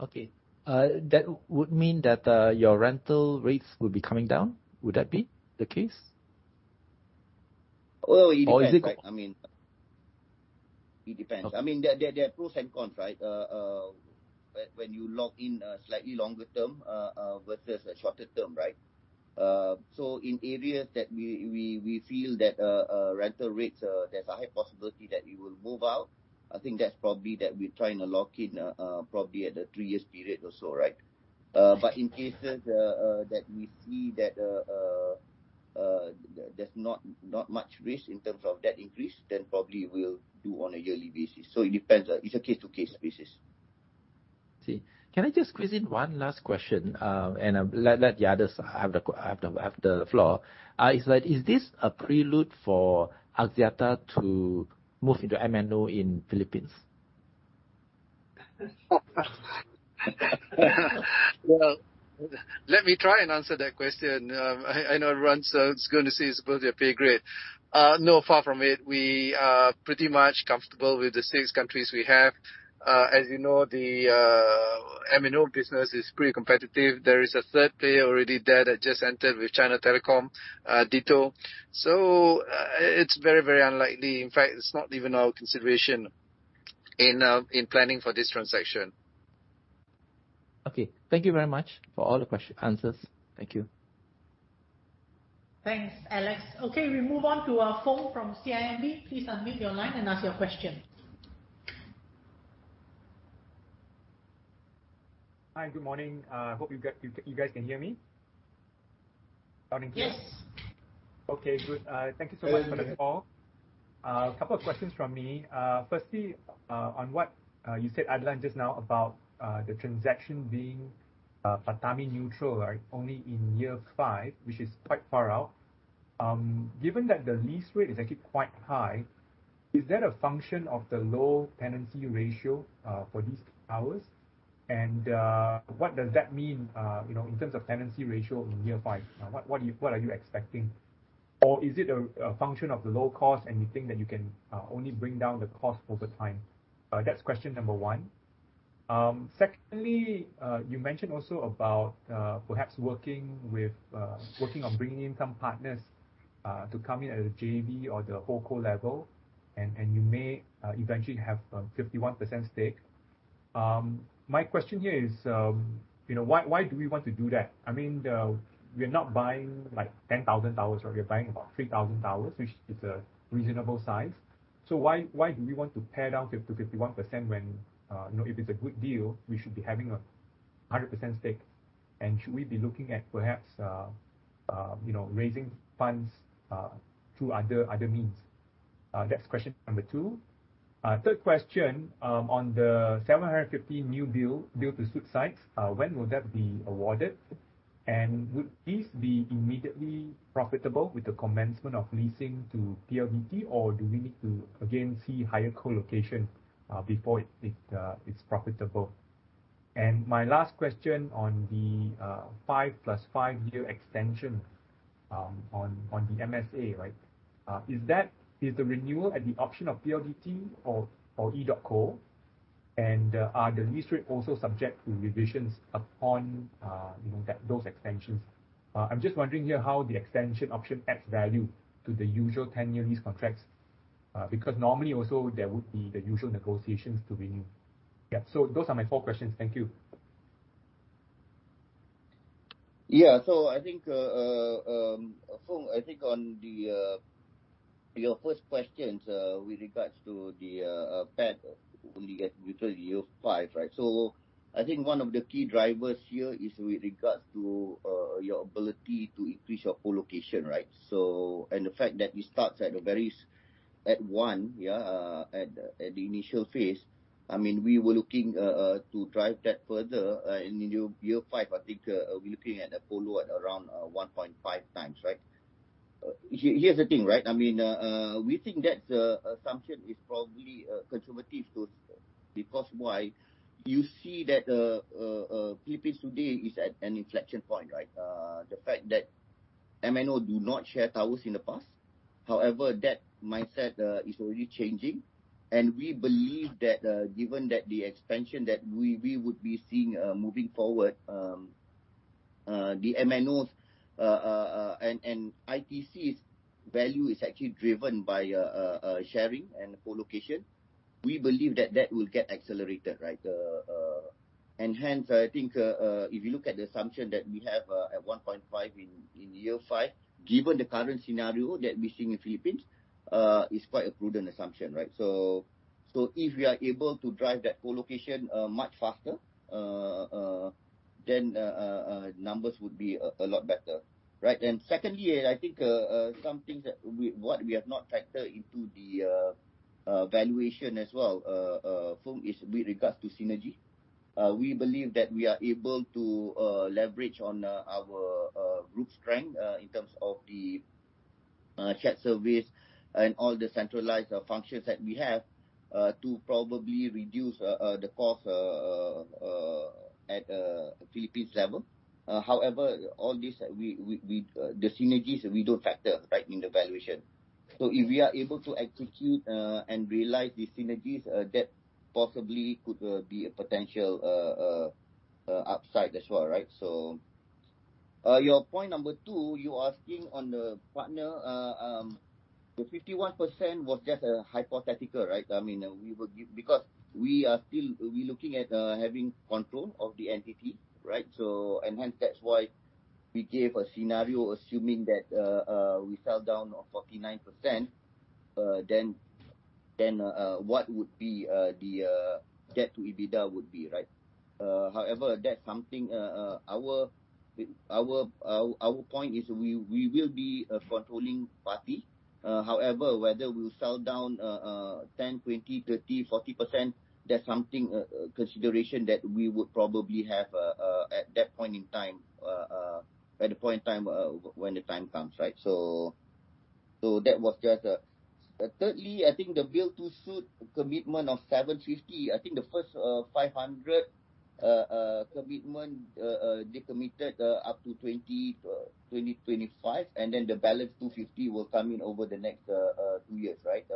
Okay. That would mean that your rental rates would be coming down. Would that be the case? Well, it depends. Or is it- I mean, it depends. Okay. I mean, there are pros and cons, right? When you lock in a slightly longer term versus a shorter term, right? In areas that we feel that rental rates there's a high possibility that we will move up. I think that's probably that we're trying to lock in probably at a three-year period or so, right? In cases that we see that there's not much risk in terms of rent increase, then probably we'll do on a yearly basis. It depends. It's a case-by-case basis. Can I just squeeze in one last question, and let the others have the floor? It's like, is this a prelude for Axiata to move into MNO in Philippines? Well, let me try and answer that question. I know everyone's gonna say it's above their pay grade. No, far from it. We are pretty much comfortable with the six countries we have. As you know, the MNO business is pretty competitive. There is a third player already there that just entered with China Telecom, DITO. So, it's very, very unlikely. In fact, it's not even our consideration. In planning for this transaction. Okay. Thank you very much for all the answers. Thank you. Thanks, Alex. Okay, we move on to, Foong from CIMB. Please unmute your line and ask your question. Hi, good morning. Hope you guys can hear me. Loud and clear? Yes. Okay, good. Thank you so much for the call. Yes. Couple of questions from me. Firstly, on what you said, Adlan, just now about the transaction being PATAMI neutral, right, only in year five, which is quite far out. Given that the lease rate is actually quite high, is that a function of the low tenancy ratio for these towers? What does that mean, you know, in terms of tenancy ratio in year five? What are you expecting? Is it a function of the low cost, and you think that you can only bring down the cost over time? That's question number one. Secondly, you mentioned also about perhaps working on bringing in some partners to come in at a JV or the whole company level and you may eventually have a 51% stake. My question here is, you know, why do we want to do that? I mean, we're not buying like 10,000 towers, right? We're buying about 3,000 towers, which is a reasonable size. So why do we want to pare down 50%-51% when, you know, if it's a good deal, we should be having a 100% stake? And should we be looking at perhaps, you know, raising funds through other means? That's question number two. Third question, on the 750 new build-to-suit sites, when will that be awarded? And would these be immediately profitable with the commencement of leasing to PLDT? Or do we need to again see higher co-location before it's profitable? And my last question on the five plus five-year extension on the MSA, right? Is the renewal at the option of PLDT or EDOTCO? And are the lease rate also subject to revisions upon, you know, that, those extensions? I'm just wondering here how the extension option adds value to the usual ten-year lease contracts. Because normally also there would be the usual negotiations to renew. Yeah, so those are my four questions. Thank you. Yeah. I think, Foong, I think on your first questions with regards to the PAT only at breakeven year five, right? I think one of the key drivers here is with regards to your ability to increase your co-location, right? The fact that it starts at one at the initial phase. I mean, we were looking to drive that further and in year five, I think we're looking at a co-lo at around 1.5x, right? Here's the thing, right? I mean, we think that assumption is probably conservative because why? You see that Philippines today is at an inflection point, right? The fact that MNOs do not share towers in the past, however, that mindset is already changing. We believe that given that the expansion that we would be seeing moving forward, the MNOs and ITCs value is actually driven by sharing and co-location. We believe that will get accelerated, right? Hence, I think if you look at the assumption that we have at 1.5 in year five, given the current scenario that we're seeing in the Philippines, it's quite a prudent assumption, right? If we are able to drive that co-location much faster, then numbers would be a lot better, right? Secondly, I think some things that, what we have not factored into the valuation as well, Foong, is with regards to synergy. We believe that we are able to leverage on our group strength in terms of the shared service and all the centralized functions that we have to probably reduce the cost at Philippines level. However, all this, the synergies we don't factor, right, in the valuation. If we are able to execute and realize these synergies, that possibly could be a potential upside as well, right? Your point number two, you're asking on the partner. The 51% was just a hypothetical, right? I mean, we would because we are still looking at having control of the entity, right? And hence that's why we gave a scenario assuming that we sell down on 49%, then what would be the debt to EBITDA would be, right? However, that's something our point is we will be a controlling party. However, whether we'll sell down 10% 20%, 30%, 40%, that's something consideration that we would probably have at that point in time when the time comes, right? That was just. Thirdly, I think the build-to-suit commitment of 750, I think the first 500 commitment they committed up to 2025, and then the balance 250 will come in over the next two years, right?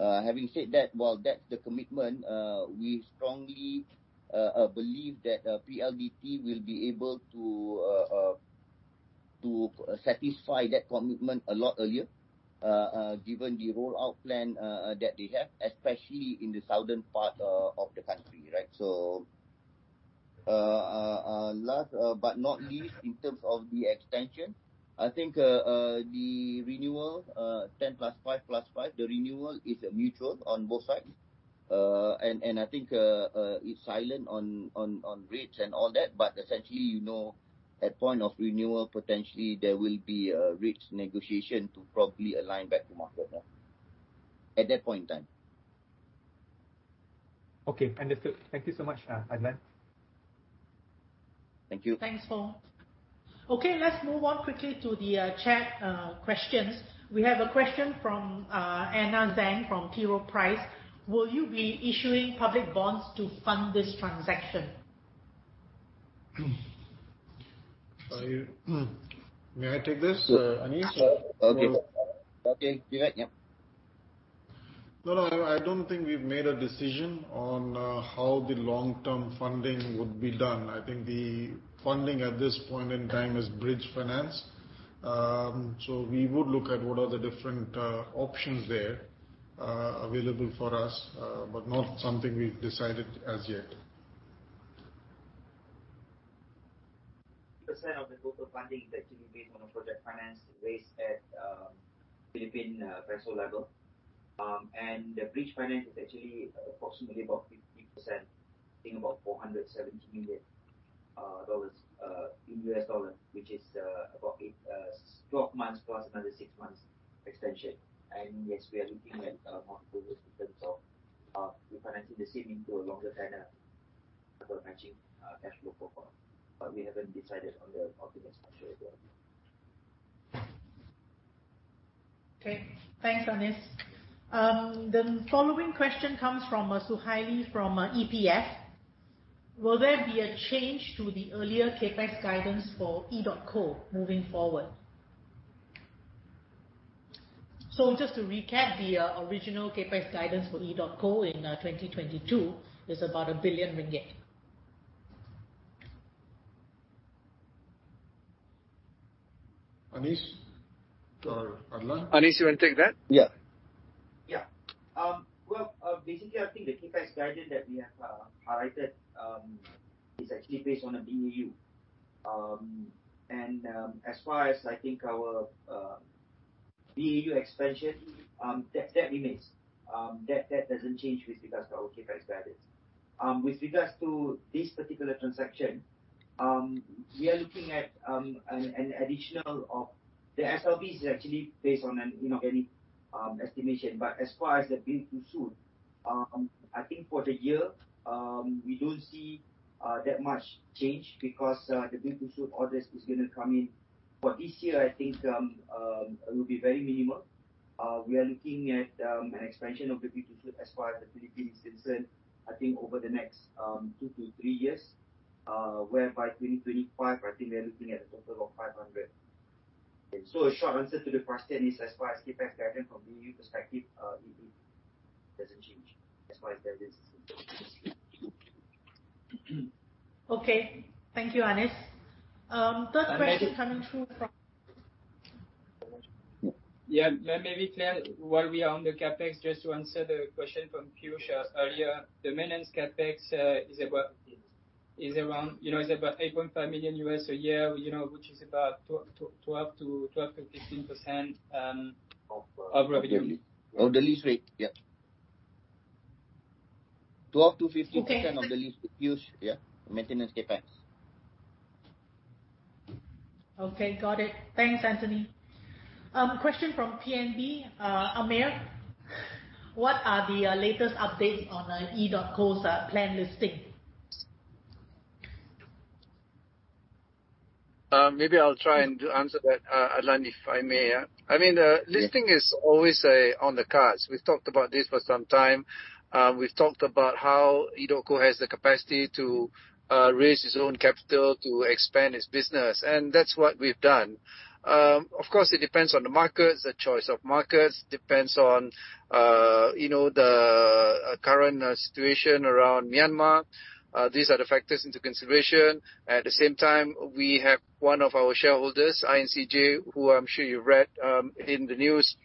Having said that, while that's the commitment, we strongly believe that PLDT will be able to To satisfy that commitment a lot earlier, given the rollout plan that they have, especially in the southern part of the country, right? Last but not least, in terms of the extension, I think the renewal, 10 + 5 + 5, the renewal is mutual on both sides. I think it's silent on rates and all that, but essentially, you know, at point of renewal, potentially there will be a rates negotiation to probably align back to market now. At that point in time. Okay, understood. Thank you so much, Adlan. Thank you. Thanks, Paul. Okay, let's move on quickly to the chat questions. We have a question from Anna Zhang from T. Rowe Price. Will you be issuing public bonds to fund this transaction? May I take this, Annis? Sure. Okay. Okay. You got it, yep. No, no. I don't think we've made a decision on how the long-term funding would be done. I think the funding at this point in time is bridge finance. We would look at what are the different options there available for us, but not something we've decided as yet. Percent of the total funding is actually based on a project finance raised at Philippine peso level. The bridge finance is actually approximately 50%, I think about $470 million in U.S. dollars, which is about eight to twelve months plus another six months extension. Yes, we are looking at more progress in terms of refinancing the same into a longer tenor for matching our cash flow profile. We haven't decided on the ultimate structure yet. Okay. Thanks, Annis. The following question comes from Suhaili from EPF. Will there be a change to the earlier CapEx guidance for EDOTCO moving forward? Just to recap, the original CapEx guidance for EDOTCO in 2022 is about 1 billion ringgit. Annis or Adlan? Annis, you wanna take that? Yeah. Yeah. Well, basically, I think the CapEx guidance that we have highlighted is actually based on a BAU. As far as I think our BAU expansion, that remains. That doesn't change with regards to our CapEx guidance. With regards to this particular transaction, we are looking at an additional. The SLBs is actually based on an, you know, an estimation. But as far as the build-to-suit, I think for the year, we don't see that much change because the build-to-suit orders is gonna come in. For this year, I think it will be very minimal. We are looking at an expansion of the build-to-suit as far as the Philippines is concerned, I think over the next two to three years. Whereby 2025, I think we are looking at a total of 500. A short answer to the question is, as far as CapEx guidance from BAU perspective, it doesn't change as far as that is concerned. Okay. Thank you, Annis. Third question- Annis- Coming through from- Yeah. Let me be clear, while we are on the CapEx, just to answer the question from Piyush earlier. The maintenance CapEx is about $8.5 million a year, you know, which is about 12%-15%. Of, uh- Of revenue. Of the lease rate. Yeah. 12%-15%. Okay Percetange of the lease is used, yeah, maintenance CapEx. Okay. Got it. Thanks, Anthony. Question from PNB. Amir, what are the latest updates on EDOTCO's plan listing? Maybe I'll try and answer that, Adlan, if I may, yeah. I mean, listing is always on the cards. We've talked about this for some time. We've talked about how EDOTCO has the capacity to raise its own capital to expand its business, and that's what we've done. Of course, it depends on the markets, the choice of markets. Depends on, you know, the current situation around Myanmar. These are the factors into consideration. At the same time, we have one of our shareholders, INCJ, who I'm sure you've read in the news,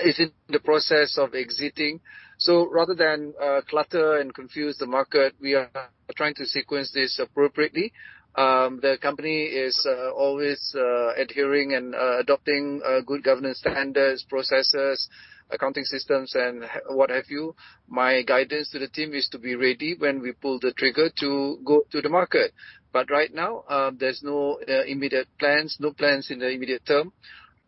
is in the process of exiting. Rather than clutter and confuse the market, we are trying to sequence this appropriately. The company is always adhering and adopting good governance standards, processes, accounting systems, and what have you. My guidance to the team is to be ready when we pull the trigger to go to the market. Right now, there's no immediate plans in the immediate term.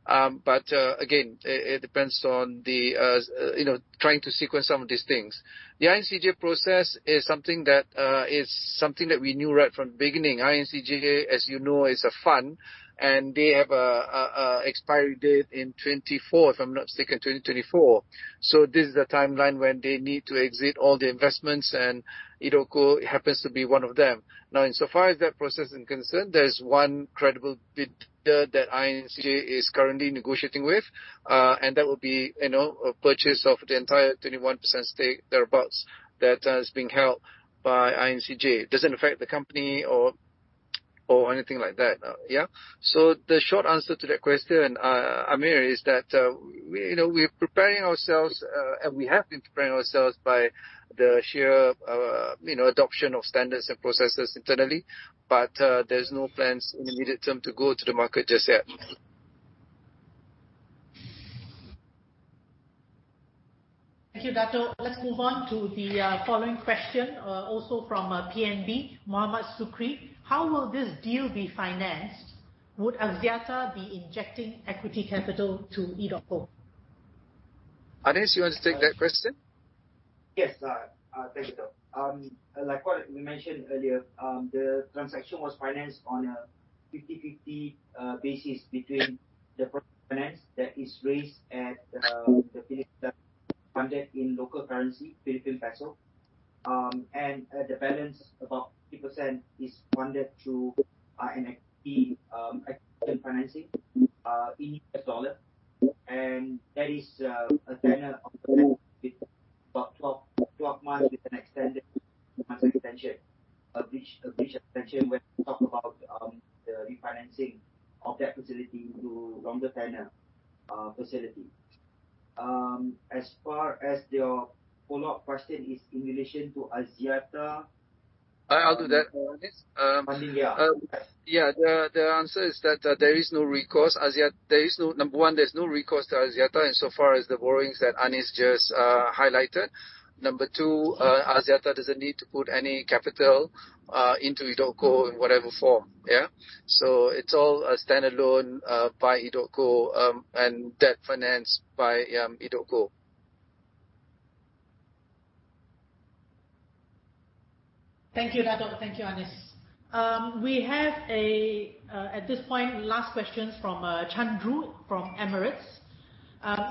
Again, it depends on the, you know, trying to sequence some of these things. The INCJ process is something that we knew right from the beginning. INCJ, as you know, is a fund, and they have an expiration date in 2024, if I'm not mistaken. This is the timeline when they need to exit all the investments, and EDOTCO happens to be one of them. Now, insofar as that process is concerned, there's one credible bidder that INCJ is currently negotiating with, and that would be, you know, a purchase of the entire 21% stake, thereabouts, that is being held by INCJ. It doesn't affect the company or anything like that. Yeah. The short answer to that question, Amir, is that, we, you know, we're preparing ourselves, and we have been preparing ourselves by the sheer, you know, adoption of standards and processes internally, but, there's no plans in the immediate term to go to the market just yet. Thank you, Dato'. Let's move on to the following question also from PNB, Mohammad Sukri. How will this deal be financed? Would Axiata be injecting equity capital to EDOTCO? Annis, you want to take that question? Yes. Thank you, Dato'. Like what we mentioned earlier, the transaction was financed on a 50/50 basis between the financing that is raised and funded in local currency, Philippine peso. The balance, about 50%, is funded through an equity financing in U.S. dollar. That is a tenor of about 12 months with an extended extension. Of which extension when we talk about the refinancing of that facility to longer tenor facility. As far as your follow-up question is in relation to Axiata- I'll take that, Anis. Yeah. The answer is that there is no recourse. Number one, there's no recourse to Axiata insofar as the borrowings that Annis just highlighted. Number two, Axiata doesn't need to put any capital into EDOTCO in whatever form. It's all a standalone by EDOTCO and debt financed by EDOTCO. Thank you, Dato'. Thank you, Annis. We have at this point the last question from Chandru from Emirates.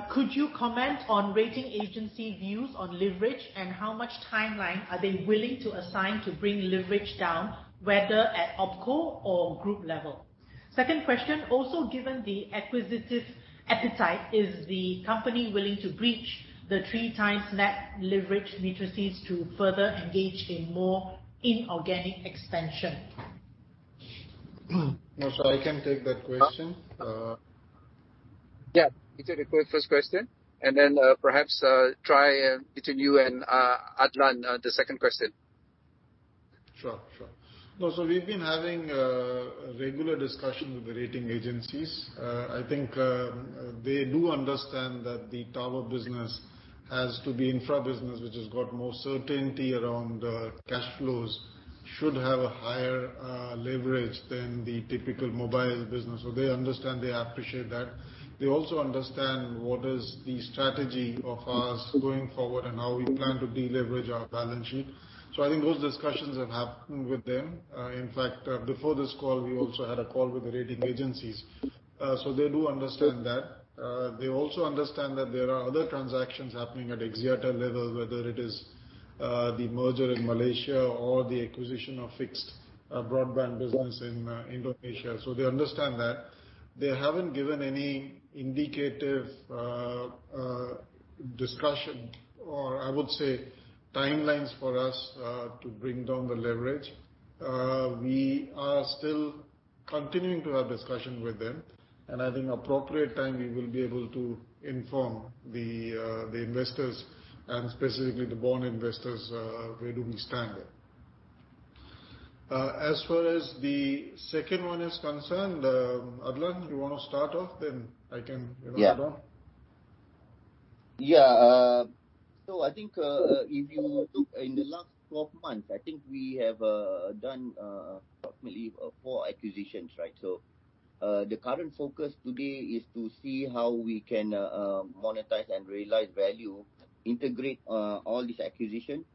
Could you comment on rating agency views on leverage and how much timeline are they willing to assign to bring leverage down, whether at opco or group level? Second question, also given the acquisitive appetite, is the company willing to breach the 3x net leverage metrics to further engage in more inorganic expansion? No, so I can take that question. Yeah. You take a quick first question and then, perhaps, try between you and Adlan, the second question. Sure. No, we've been having regular discussions with the rating agencies. I think they do understand that the tower business as to the infra business, which has got more certainty around cash flows, should have a higher leverage than the typical mobile business. They understand, they appreciate that. They also understand what is the strategy of us going forward and how we plan to deleverage our balance sheet. I think those discussions have happened with them. In fact, before this call, we also had a call with the rating agencies. They do understand that. They also understand that there are other transactions happening at Axiata level, whether it is the merger in Malaysia or the acquisition of fixed broadband business in Indonesia. They understand that. They haven't given any indicative discussion or I would say timelines for us to bring down the leverage. We are still continuing to have discussion with them, and I think appropriate time we will be able to inform the investors and specifically the bond investors where do we stand there. As far as the second one is concerned, Adlan, you wanna start off, then I can, you know, add on? Yeah. Yeah. I think if you look in the last 12 months, I think we have done approximately four acquisitions, right? The current focus today is to see how we can monetize and realize value, integrate all these acquisitions,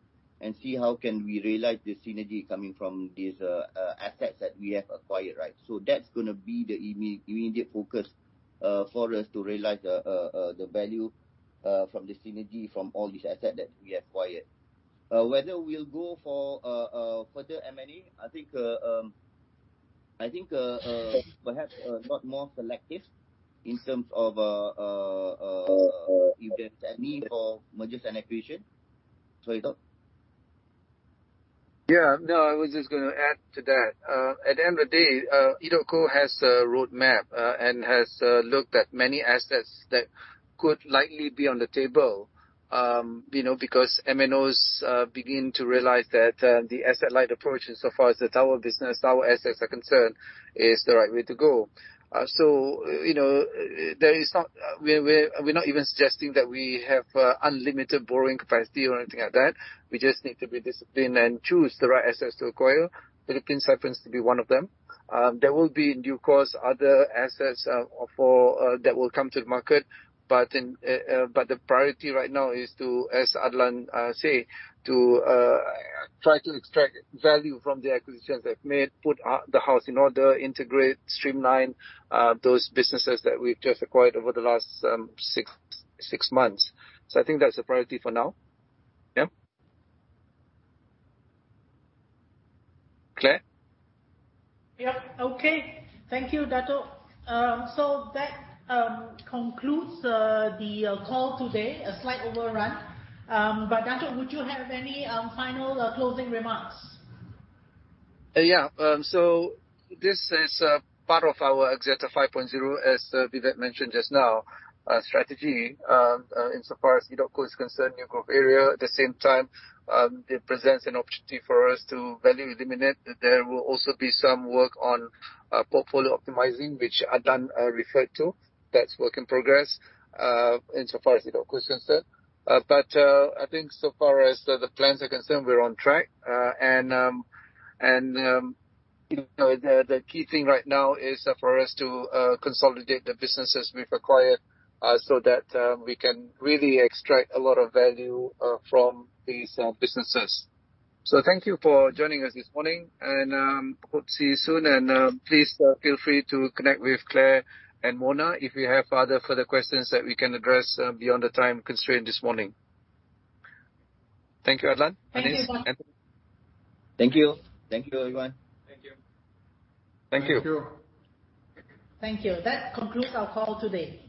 and see how we can realize the synergy coming from these assets that we have acquired, right? That's gonna be the immediate focus for us to realize the value from the synergy from all these assets that we acquired. Whether we'll go for further M&A, I think perhaps a lot more selective in terms of if there's a need for mergers and acquisitions. Dato'? No, I was just gonna add to that. At the end of the day, EDOTCO has a roadmap and has looked at many assets that could likely be on the table. You know, because MNOs begin to realize that the asset-light approach insofar as the tower business, tower assets are concerned, is the right way to go. You know, we're not even suggesting that we have unlimited borrowing capacity or anything like that. We just need to be disciplined and choose the right assets to acquire. Philippines happens to be one of them. There will be, in due course, other assets, or for, that will come to the market, but the priority right now is to, as Adlan say, to, try to extract value from the acquisitions they've made, put the house in order, integrate, streamline, those businesses that we've just acquired over the last six months. I think that's the priority for now. Yeah. Clear? Yep. Okay. Thank you, Dato'. That concludes the call today. A slight overrun. Dato', would you have any final closing remarks? Yeah. This is part of our Axiata 5.0 strategy, as Vivek mentioned just now. Insofar as EDOTCO is concerned, it is a new growth area. At the same time, it presents an opportunity for us to add value. There will also be some work on portfolio optimizing, which Adlan referred to. That's work in progress, insofar as EDOTCO is concerned. I think so far as the plans are concerned, we're on track. You know, the key thing right now is for us to consolidate the businesses we've acquired, so that we can really extract a lot of value from these businesses. Thank you for joining us this morning, and I hope to see you soon. Please, feel free to connect with Clare and Mona if you have other further questions that we can address beyond the time constraint this morning. Thank you, Adlan. Thank you. Anis. Anthony. Thank you. Thank you, everyone. Thank you. Thank you. Thank you. Thank you. That concludes our call today. Thank